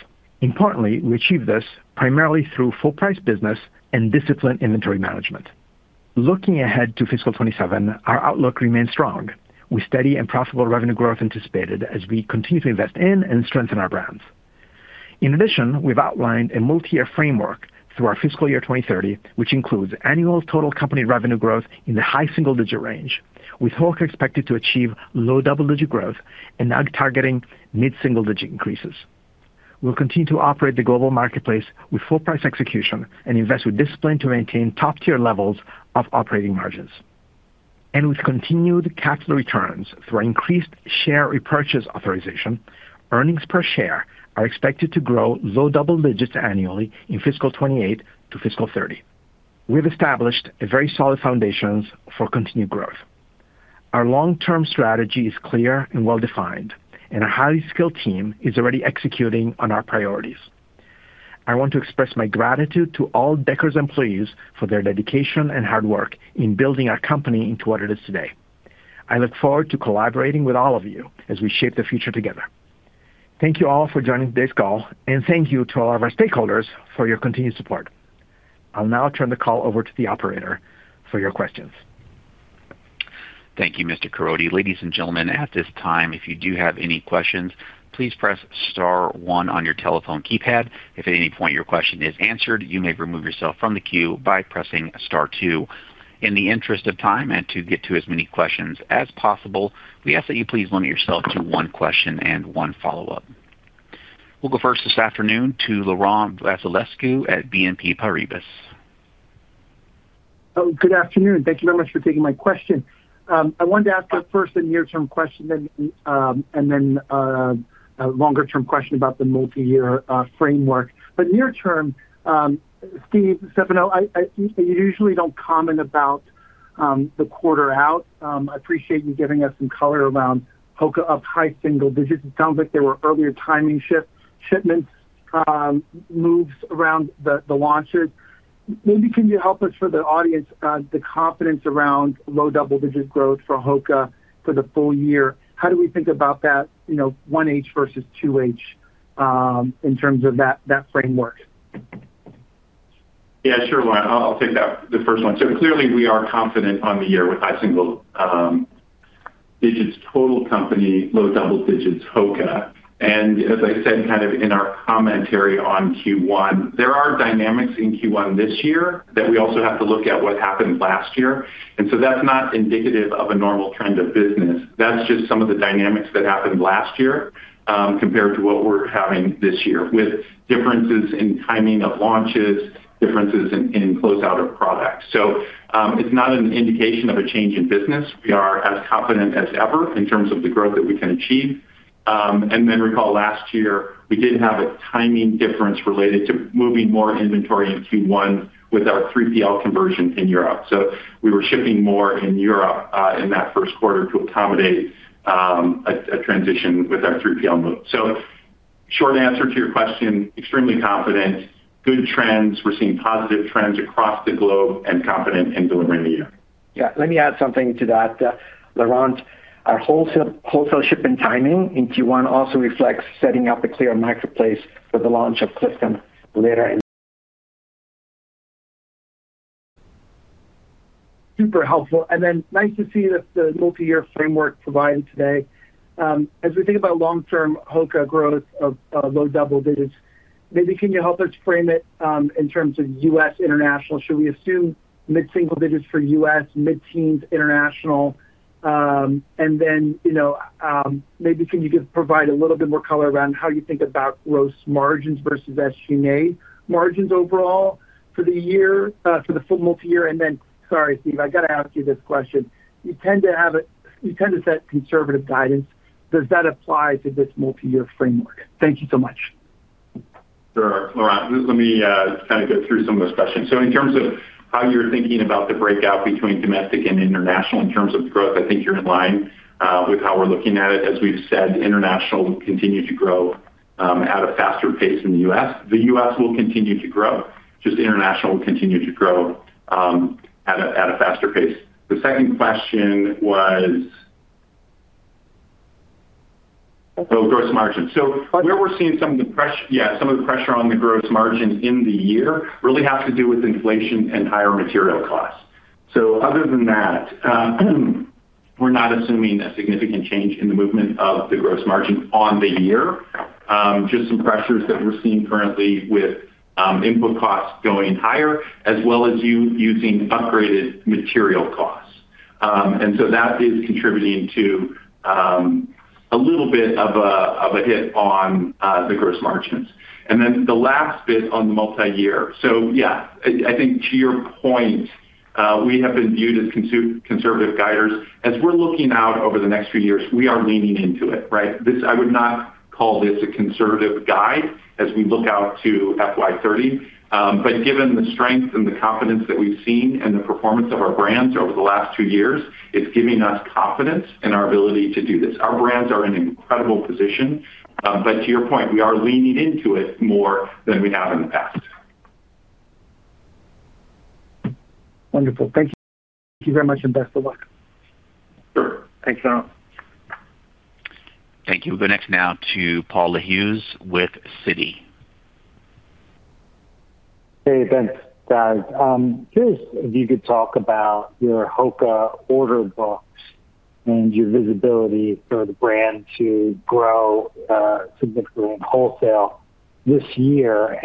Importantly, we achieved this primarily through full-price business and disciplined inventory management. Looking ahead to fiscal year 2027, our outlook remains strong with steady and profitable revenue growth anticipated as we continue to invest in and strengthen our brands. In addition, we've outlined a multi-year framework through our fiscal year 2030, which includes annual total company revenue growth in the high single-digit range, with HOKA expected to achieve low double-digit growth and UGG targeting mid-single-digit increases. We'll continue to operate the global marketplace with full-price execution and invest with discipline to maintain top-tier levels of operating margins. With continued capital returns through our increased share repurchase authorization, earnings per share are expected to grow low double digits annually in fiscal year 2028 to fiscal year 2030. We've established a very solid foundation for continued growth. Our long-term strategy is clear and well-defined, and our highly skilled team is already executing on our priorities. I want to express my gratitude to all Deckers employees for their dedication and hard work in building our company into what it is today. I look forward to collaborating with all of you as we shape the future together. Thank you all for joining today's call, and thank you to all of our stakeholders for your continued support. I'll now turn the call over to the operator for your questions. Thank you, Mr. Caroti. Ladies and gentlemen, at this time, if you do have any questions, please press star one on your telephone keypad. If at any point your question is answered, you may remove yourself from the queue by pressing star two. In the interest of time and to get to as many questions as possible, we ask that you please limit yourself to one question and one follow-up. We'll go first this afternoon to Laurent Vasilescu at BNP Paribas. Good afternoon. Thank you very much for taking my question. I wanted to ask first a near-term question and then a longer-term question about the multi-year framework. Near term, Steve, Stefano, you usually don't comment about the quarter out. I appreciate you giving us some color around HOKA up high single digits. It sounds like there were earlier timing shipments moves around the launches. Maybe can you help us for the audience, the confidence around low double-digit growth for HOKA for the full year? How do we think about that 1H versus 2H, in terms of that framework? Yeah, sure, Laurent. I'll take the first one. Clearly we are confident on the year with high single digits total company, low double digits HOKA. As I said, kind of in our commentary on Q1, there are dynamics in Q1 this year that we also have to look at what happened last year. That's not indicative of a normal trend of business. That's just some of the dynamics that happened last year, compared to what we're having this year with differences in timing of launches, differences in closeout of products. It's not an indication of a change in business. We are as confident as ever in terms of the growth that we can achieve. Recall last year, we did have a timing difference related to moving more inventory in Q1 with our 3PL conversion in Europe. We were shipping more in Europe in that first quarter to accommodate a transition with our 3PL move. Short answer to your question, extremely confident, good trends, we're seeing positive trends across the globe and confident in delivering the year. Yeah. Let me add something to that, Laurent. Our wholesale shipment timing in Q1 also reflects setting up a clear marketplace for the launch of Clifton later. Super helpful, nice to see the multi-year framework provided today. As we think about long-term HOKA growth of low double digits, maybe can you help us frame it in terms of U.S. international? Should we assume mid-single digits for U.S., mid-teens international? Maybe can you provide a little bit more color around how you think about gross margins versus SG&A margins overall for the year, for the full multi-year? Sorry, Steve, I got to ask you this question. You tend to set conservative guidance. Does that apply to this multi-year framework? Thank you so much. Sure. Laurent, let me kind of get through some of those questions. In terms of how you're thinking about the breakout between domestic and international in terms of growth, I think you're in line with how we're looking at it. As we've said, international will continue to grow at a faster pace than the U.S. The U.S. will continue to grow, just international will continue to grow at a faster pace. The second question was. Oh, gross margin. Where we're seeing some of the pressure on the gross margin in the year really has to do with inflation and higher material costs. Other than that, we're not assuming a significant change in the movement of the gross margin on the year. Just some pressures that we're seeing currently with input costs going higher, as well as you using upgraded material costs. That is contributing to a little bit of a hit on the gross margins. Then the last bit on the multi-year. I think to your point, we have been viewed as conservative guiders. As we're looking out over the next few years, we are leaning into it, right? I would not call this a conservative guide as we look out to FY 2030. Given the strength and the confidence that we've seen and the performance of our brands over the last two years, it's giving us confidence in our ability to do this. Our brands are in an incredible position. To your point, we are leaning into it more than we have in the past. Wonderful. Thank you very much, and best of luck. Sure. Thanks, Laurent. Thank you. We'll go next now to Paul Lejuez with Citi. Hey, Stefano, guys. Curious if you could talk about your HOKA order books and your visibility for the brand to grow significantly in wholesale this year.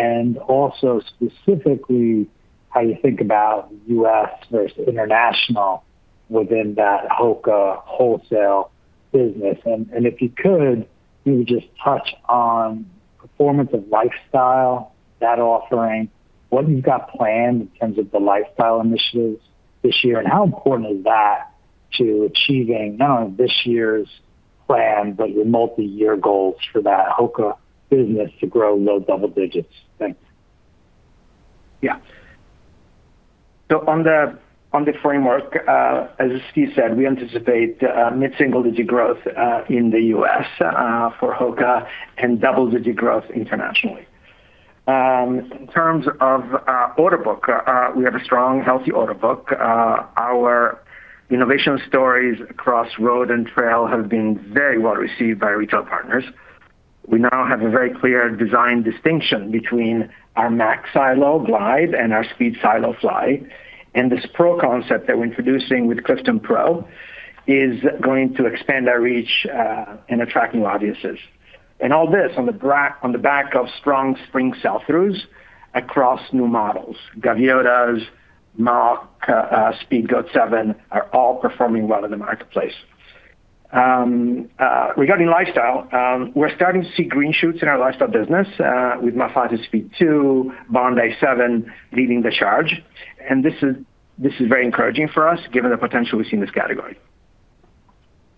Also specifically how you think about U.S. versus international within that HOKA wholesale business. If you could, maybe just touch on performance of lifestyle, that offering, what you've got planned in terms of the lifestyle initiatives this year, and how important is that to achieving not only this year's plan, but your multi-year goals for that HOKA business to grow low double digits. Thanks. On the framework, as Steven said, we anticipate mid-single digit growth in the U.S. for HOKA and double-digit growth internationally. In terms of order book, we have a strong, healthy order book. Our innovation stories across road and trail have been very well received by retail partners. We now have a very clear design distinction between our max silo glide and our speed silo fly. This pro concept that we're introducing with Clifton Pro is going to expand our reach, and attract new audiences. All this on the back of strong spring sell-throughs across new models. Gaviota, Mach, Speedgoat 7 are all performing well in the marketplace. Regarding lifestyle, we're starting to see green shoots in our lifestyle business, with Mafate Speed 2, Bondi 7 leading the charge. This is very encouraging for us given the potential we see in this category.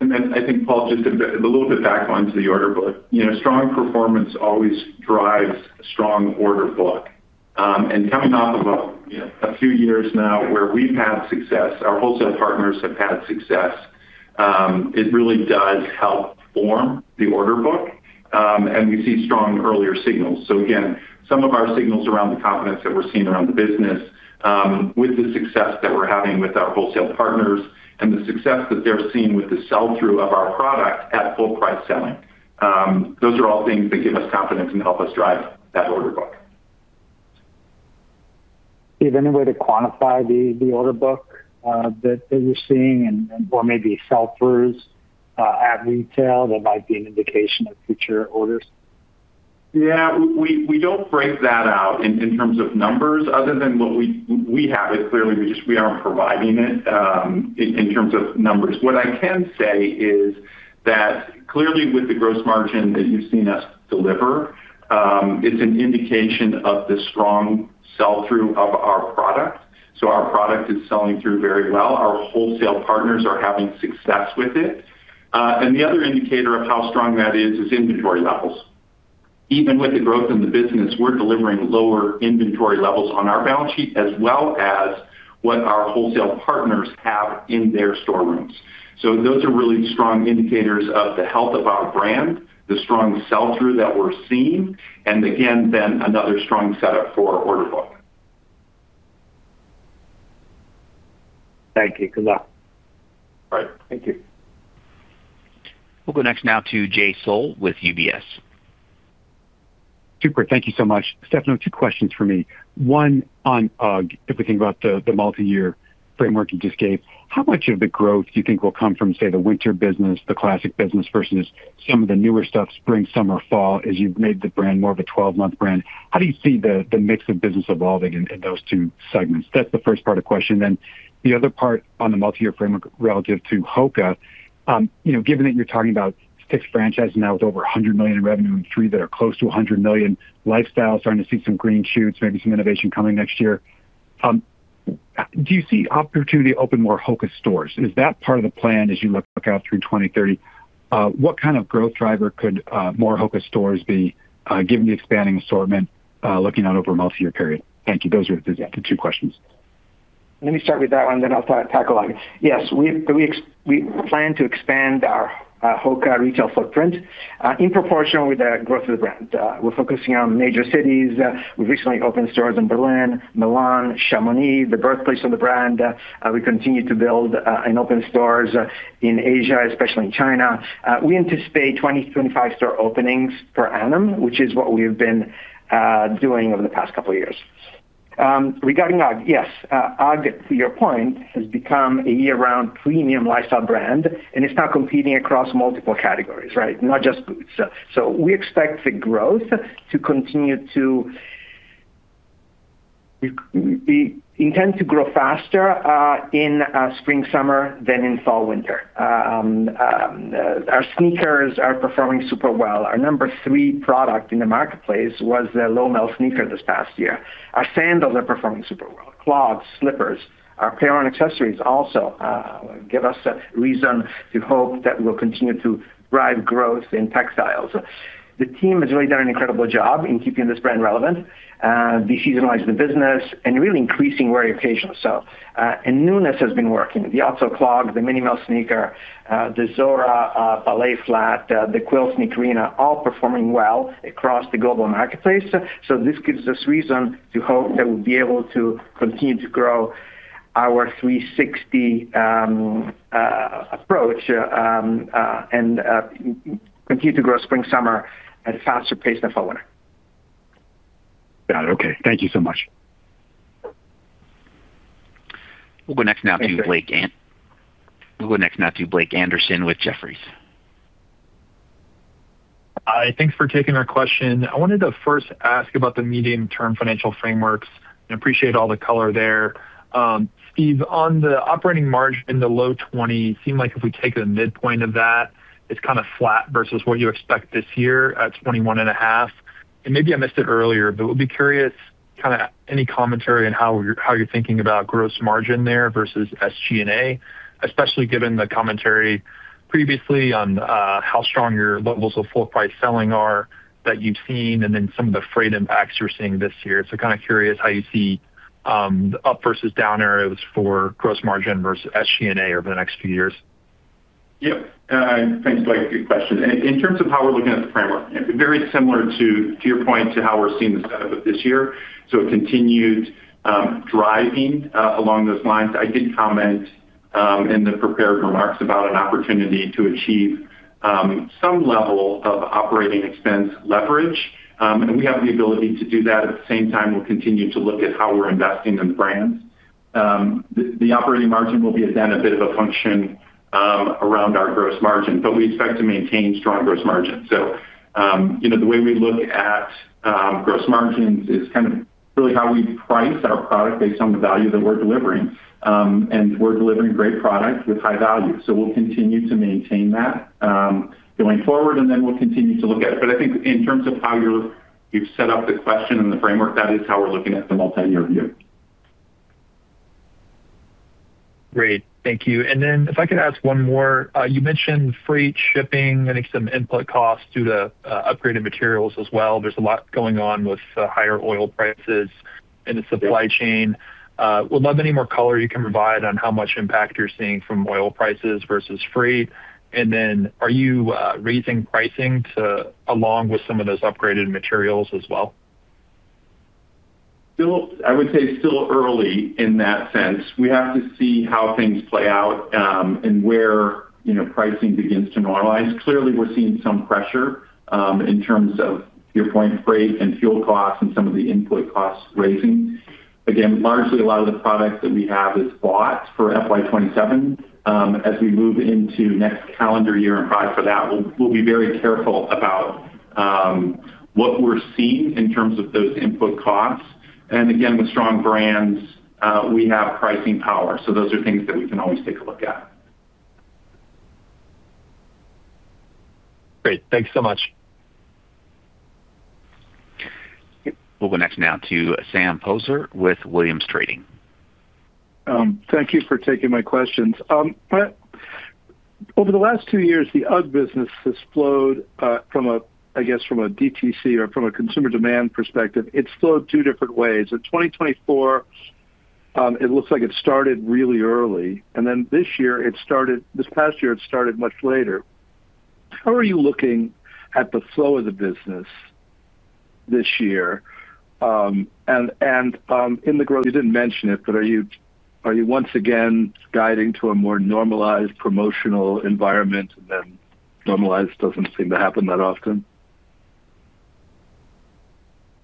I think, Paul, just a little bit back onto the order book. Strong performance always drives a strong order book. Coming off of a few years now where we've had success, our wholesale partners have had success, it really does help form the order book. We see strong earlier signals. Again, some of our signals around the confidence that we're seeing around the business, with the success that we're having with our wholesale partners and the success that they're seeing with the sell-through of our product at full price selling. Those are all things that give us confidence and help us drive that order book. Is there any way to quantify the order book that you're seeing or maybe sell-throughs at retail that might be an indication of future orders? Yeah. We don't break that out in terms of numbers other than what we have it clearly, we just aren't providing it in terms of numbers. What I can say is that clearly with the gross margin that you've seen us deliver, it's an indication of the strong sell-through of our product. Our product is selling through very well. Our wholesale partners are having success with it. The other indicator of how strong that is is inventory levels. Even with the growth in the business, we're delivering lower inventory levels on our balance sheet as well as what our wholesale partners have in their storerooms. Those are really strong indicators of the health of our brand, the strong sell-through that we're seeing, and again, then another strong setup for our order book. Thank you. Good luck. All right. Thank you. We'll go next now to Jay Sole with UBS. Super. Thank you so much. Stefano, two questions for me. One on UGG. We think about the multi-year framework you just gave, how much of the growth do you think will come from, say, the winter business, the classic business versus some of the newer stuff, spring, summer, fall, as you've made the brand more of a 12-month brand? How do you see the mix of business evolving in those two segments? That's the first part of the question. The other part on the multi-year framework relative to HOKA. Given that you're talking about six franchises now with over $100 million in revenue and three that are close to $100 million, lifestyle starting to see some green shoots, maybe some innovation coming next year. Do you see opportunity to open more HOKA stores? Is that part of the plan as you look out through 2030? What kind of growth driver could more HOKA stores be given the expanding assortment looking out over a multi-year period? Thank you. Those are the two questions. Let me start with that one, then I'll tackle UGG. Yes, we plan to expand our HOKA retail footprint in proportion with the growth of the brand. We're focusing on major cities. We've recently opened stores in Berlin, Milan, Chamonix, the birthplace of the brand. We continue to build and open stores in Asia, especially in China. We anticipate 20-25 store openings per annum, which is what we have been doing over the past couple of years. Regarding UGG, yes. UGG, to your point, has become a year-round premium lifestyle brand, and it's now competing across multiple categories, not just boots. We intend to grow faster in spring/summer than in fall/winter. Our sneakers are performing super well. Our number three product in the marketplace was the Lowmel sneaker this past year. Our sandals are performing super well. Clogs, slippers. Our apparel accessories also give us reason to hope that we'll continue to drive growth in textiles. The team has really done an incredible job in keeping this brand relevant, de-seasonalizing the business, and really increasing wear occasions. Newness has been working. The Otzo clog, the Minimel sneaker, the Zora ballet flat, the Quill Nikolina, all performing well across the global marketplace. This gives us reason to hope that we'll be able to continue to grow our 360 approach, and continue to grow spring/summer at a faster pace than fall/winter. Got it. Okay. Thank you so much. We'll go next now to Blake Anderson with Jefferies. Hi. Thanks for taking our question. I wanted to first ask about the medium-term financial frameworks and appreciate all the color there. Steve, on the operating margin in the low 20%, seemed like if we take the midpoint of that, it's flat versus what you expect this year at 21.5%. Maybe I missed it earlier, but would be curious, any commentary on how you're thinking about gross margin there versus SG&A, especially given the commentary previously on how strong your levels of full-price selling are that you've seen, and then some of the freight impacts you're seeing this year. Curious how you see up versus down areas for gross margin versus SG&A over the next few years. Thanks, Blake. Good question. In terms of how we're looking at the framework, very similar to your point to how we're seeing the setup of this year, so a continued driving along those lines. I did comment in the prepared remarks about an opportunity to achieve some level of operating expense leverage, and we have the ability to do that. At the same time, we'll continue to look at how we're investing in brands. The operating margin will be, again, a bit of a function around our gross margin, but we expect to maintain strong gross margins. The way we look at gross margins is really how we price our product based on the value that we're delivering. We're delivering great product with high value. We'll continue to maintain that going forward, and then we'll continue to look at it. I think in terms of how you've set up the question and the framework, that is how we're looking at the multi-year view. Great. Thank you. Then if I could ask one more. You mentioned freight, shipping, I think some input costs due to upgraded materials as well. There's a lot going on with higher oil prices in the supply chain. Would love any more color you can provide on how much impact you're seeing from oil prices versus freight. Then are you raising pricing along with some of those upgraded materials as well? I would say it's still early in that sense. We have to see how things play out, and where pricing begins to normalize. Clearly, we're seeing some pressure in terms of your point, freight and fuel costs and some of the input costs raising. Again, largely a lot of the product that we have is bought for FY 2027. As we move into next calendar year and price for that, we'll be very careful about what we're seeing in terms of those input costs. Again, with strong brands, we have pricing power. Those are things that we can always take a look at. Great. Thanks so much. We'll go next now to Sam Poser with Williams Trading. Thank you for taking my questions. Over the last two years, the UGG business has flowed, I guess, from a DTC or from a consumer demand perspective, it's flowed two different ways. In 2024, it looks like it started really early, and then this past year it started much later. How are you looking at the flow of the business this year? In the growth, you didn't mention it, but are you once again guiding to a more normalized promotional environment than normalized doesn't seem to happen that often?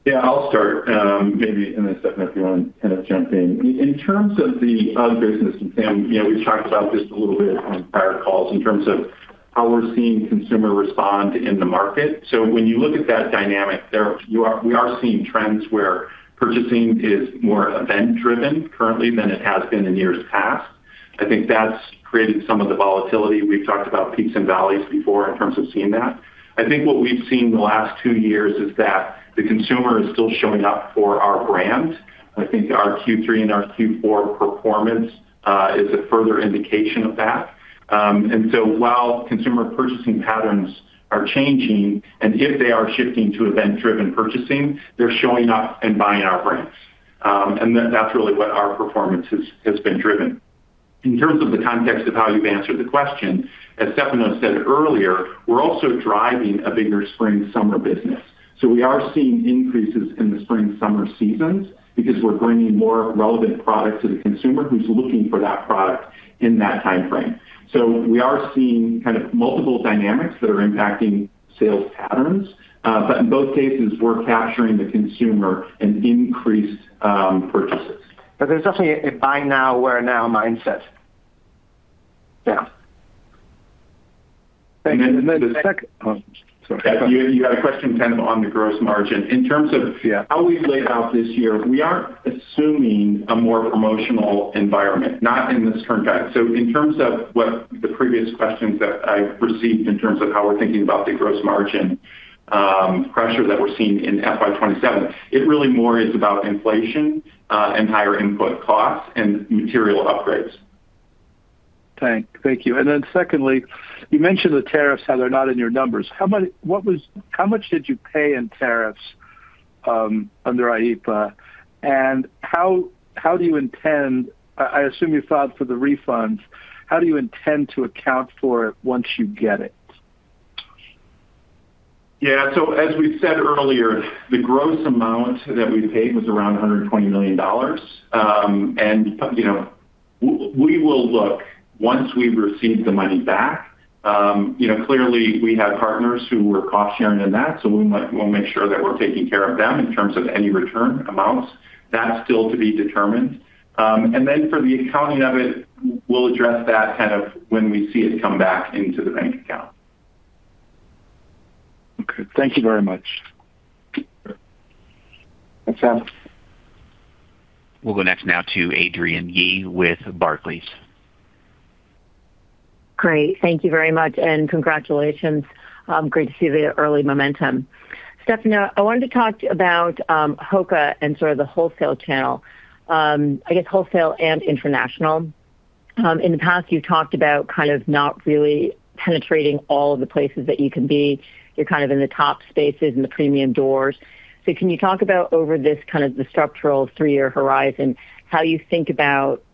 Yeah, I'll start. Maybe, then Stefano, if you want to jump in. In terms of the UGG business, Sam, we've talked about this a little bit on prior calls in terms of how we're seeing consumer respond in the market. When you look at that dynamic there, we are seeing trends where purchasing is more event-driven currently than it has been in years past. I think that's created some of the volatility. We've talked about peaks and valleys before in terms of seeing that. I think what we've seen in the last two years is that the consumer is still showing up for our brand. I think our Q3 and our Q4 performance is a further indication of that. While consumer purchasing patterns are changing, and if they are shifting to event-driven purchasing, they're showing up and buying our brands. That's really what our performance has been driven. In terms of the context of how you've answered the question, as Stefano said earlier, we're also driving a bigger spring-summer business. We are seeing increases in the spring-summer seasons because we're bringing more relevant product to the consumer who's looking for that product in that timeframe. We are seeing kind of multiple dynamics that are impacting sales patterns. In both cases, we're capturing the consumer in increased purchases. There's definitely a buy now, wear now mindset. Yeah. Thank you. Oh, sorry. You had a question kind of on the gross margin. Yeah How we laid out this year, we are assuming a more promotional environment, not in this turn back. In terms of what the previous questions that I've received in terms of how we're thinking about the gross margin pressure that we're seeing in FY 2027, it really more is about inflation and higher input costs and material upgrades. Thank you. Secondly, you mentioned the tariffs, how they're not in your numbers. How much did you pay in tariffs under IEPA? I assume you filed for the refunds. How do you intend to account for it once you get it? Yeah. As we said earlier, the gross amount that we paid was around $120 million. We will look once we receive the money back. Clearly, we have partners who were cost sharing in that, so we'll make sure that we're taking care of them in terms of any return amounts. That's still to be determined. For the accounting of it, we'll address that kind of when we see it come back into the bank account. Okay. Thank you very much. Thanks, Sam. We'll go next now to Adrienne Yih with Barclays. Great. Thank you very much, and congratulations. Great to see the early momentum. Stefano, I wanted to talk about HOKA and sort of the wholesale channel. I guess wholesale and international. In the past, you talked about kind of not really penetrating all of the places that you can be. You're kind of in the top spaces and the premium doors. Can you talk about over this kind of the structural three-year horizon, how you think about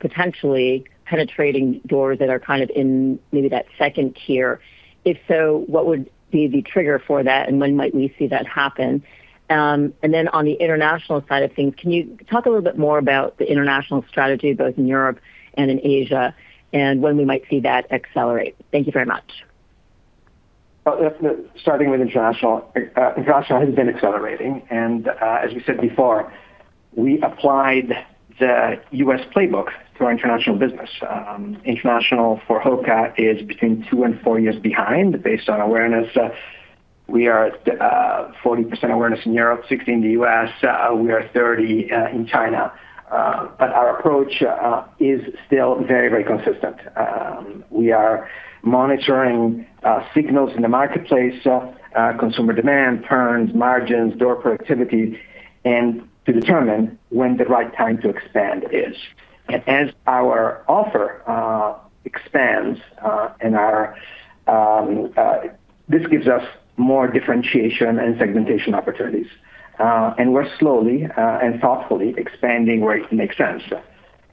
potentially penetrating doors that are kind of in maybe that second tier? If so, what would be the trigger for that, and when might we see that happen? On the international side of things, can you talk a little bit more about the international strategy, both in Europe and in Asia, and when we might see that accelerate? Thank you very much. Starting with international. International has been accelerating. As we said before, we applied the U.S. playbook to our international business. International for HOKA is between two and four years behind based on awareness. We are at 40% awareness in Europe, 60% in the U.S. We are 30% in China. Our approach is still very consistent. We are monitoring signals in the marketplace: consumer demand, turns, margins, door productivity, to determine when the right time to expand is. As our offer expands, this gives us more differentiation and segmentation opportunities. We're slowly and thoughtfully expanding where it makes sense.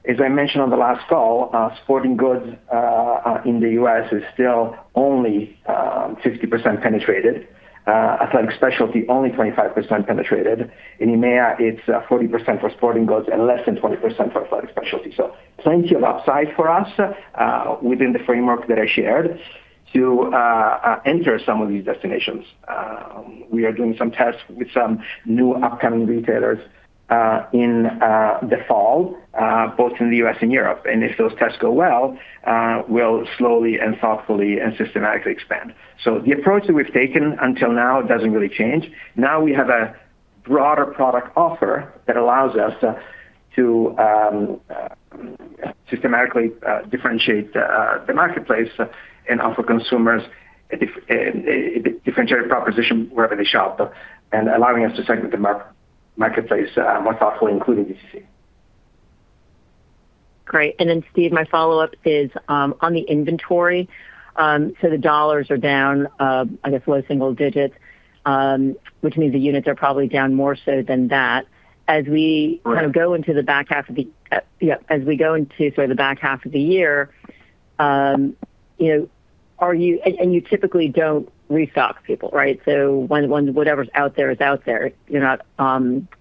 As I mentioned on the last call, sporting goods in the U.S. is still only 60% penetrated. Athletic specialty, only 25% penetrated. In EMEA, it's 40% for sporting goods and less than 20% for athletic specialty. Plenty of upside for us within the framework that I shared to enter some of these destinations. We are doing some tests with some new upcoming retailers in the fall, both in the U.S. and Europe. If those tests go well, we'll slowly and thoughtfully and systematically expand. The approach that we've taken until now doesn't really change. Now we have a broader product offer that allows us to systematically differentiate the marketplace and offer consumers a differentiated proposition wherever they shop and allowing us to segment the marketplace more thoughtfully, including DTC. Great. Steve, my follow-up is on the inventory. The dollars are down, I guess, low single digits, which means the units are probably down more so than that. Right. As we go into sort of the back half of the year, you typically don't restock people, right? Whatever's out there is out there. You're not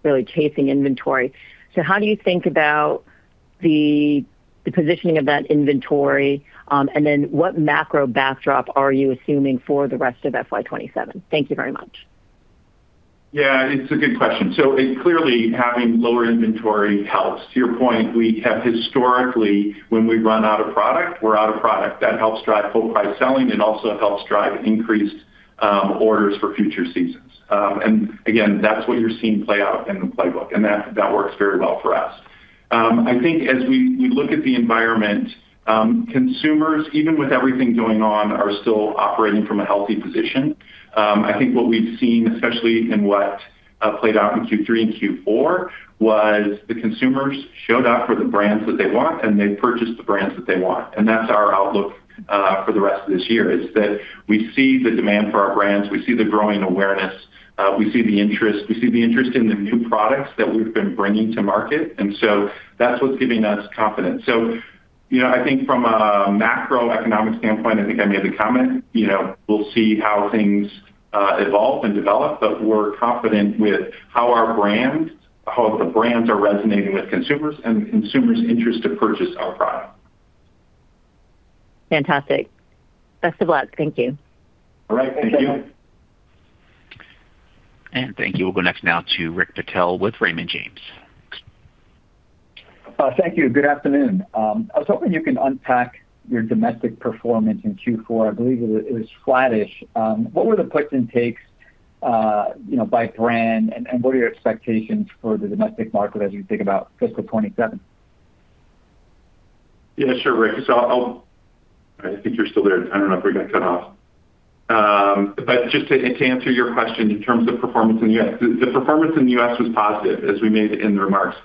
really chasing inventory. How do you think about the positioning of that inventory? What macro backdrop are you assuming for the rest of FY 2027? Thank you very much. Yeah, it's a good question. Clearly, having lower inventory helps. To your point, we have historically, when we run out of product, we're out of product. That helps drive full price selling and also helps drive increased orders for future seasons. Again, that's what you're seeing play out in the playbook, and that works very well for us. I think as we look at the environment, consumers, even with everything going on, are still operating from a healthy position. I think what we've seen, especially in what played out in Q3 and Q4, was the consumers showed up for the brands that they want, and they purchased the brands that they want. That's our outlook for the rest of this year, is that we see the demand for our brands, we see the growing awareness, we see the interest, we see the interest in the new products that we've been bringing to market. That's what's giving us confidence. I think from a macroeconomic standpoint, I think I made the comment, we'll see how things evolve and develop, but we're confident with how the brands are resonating with consumers and consumers' interest to purchase our product. Fantastic. Best of luck. Thank you. All right. Thank you. Thank you. We'll go next now to Rick Patel with Raymond James. Thank you. Good afternoon. I was hoping you can unpack your domestic performance in Q4. I believe it was flattish. What were the puts and takes by brand, and what are your expectations for the domestic market as you think about fiscal 2027? Yeah, sure, Rick. I think you're still there. I don't know if we got cut off. Just to answer your question in terms of performance in the U.S., the performance in the U.S. was positive, as we made in the remarks.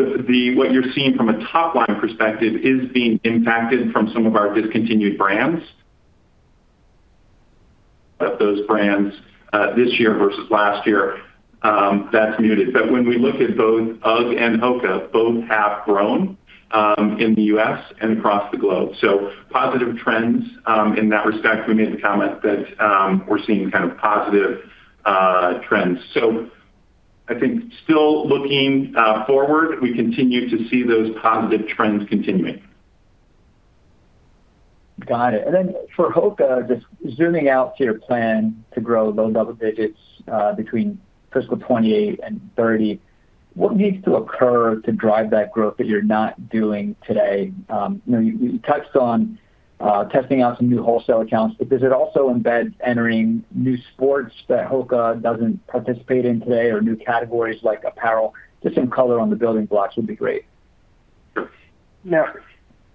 What you're seeing from a top-line perspective is being impacted from some of our discontinued brands. Of those brands, this year versus last year, that's muted. When we look at both UGG and HOKA, both have grown in the U.S. and across the globe. Positive trends in that respect. We made the comment that we're seeing kind of positive trends. I think still looking forward, we continue to see those positive trends continuing. Got it. For HOKA, just zooming out to your plan to grow low double digits between FY 2028 and FY 2030, what needs to occur to drive that growth that you're not doing today? You touched on testing out some new wholesale accounts, does it also embed entering new sports that HOKA doesn't participate in today or new categories like apparel? Just some color on the building blocks would be great. There are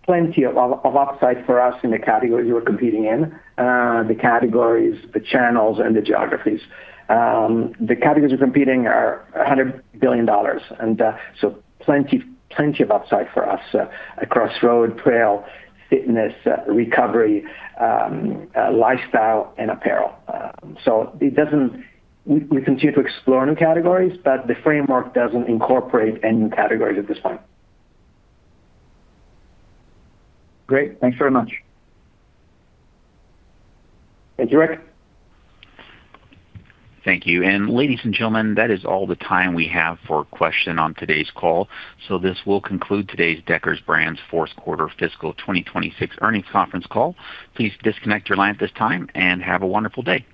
plenty of upside for us in the categories we're competing in. The categories, the channels, and the geographies. The categories we're competing are $100 billion. Plenty of upside for us across road, trail, fitness, recovery, lifestyle, and apparel. We continue to explore new categories, but the framework doesn't incorporate any new categories at this point. Great. Thanks very much. Thank you, Rick. Thank you. Ladies and gentlemen, that is all the time we have for question on today's call. This will conclude today's Deckers Brands's fourth quarter fiscal 2026 earnings conference call. Please disconnect your line at this time, and have a wonderful day. Goodbye.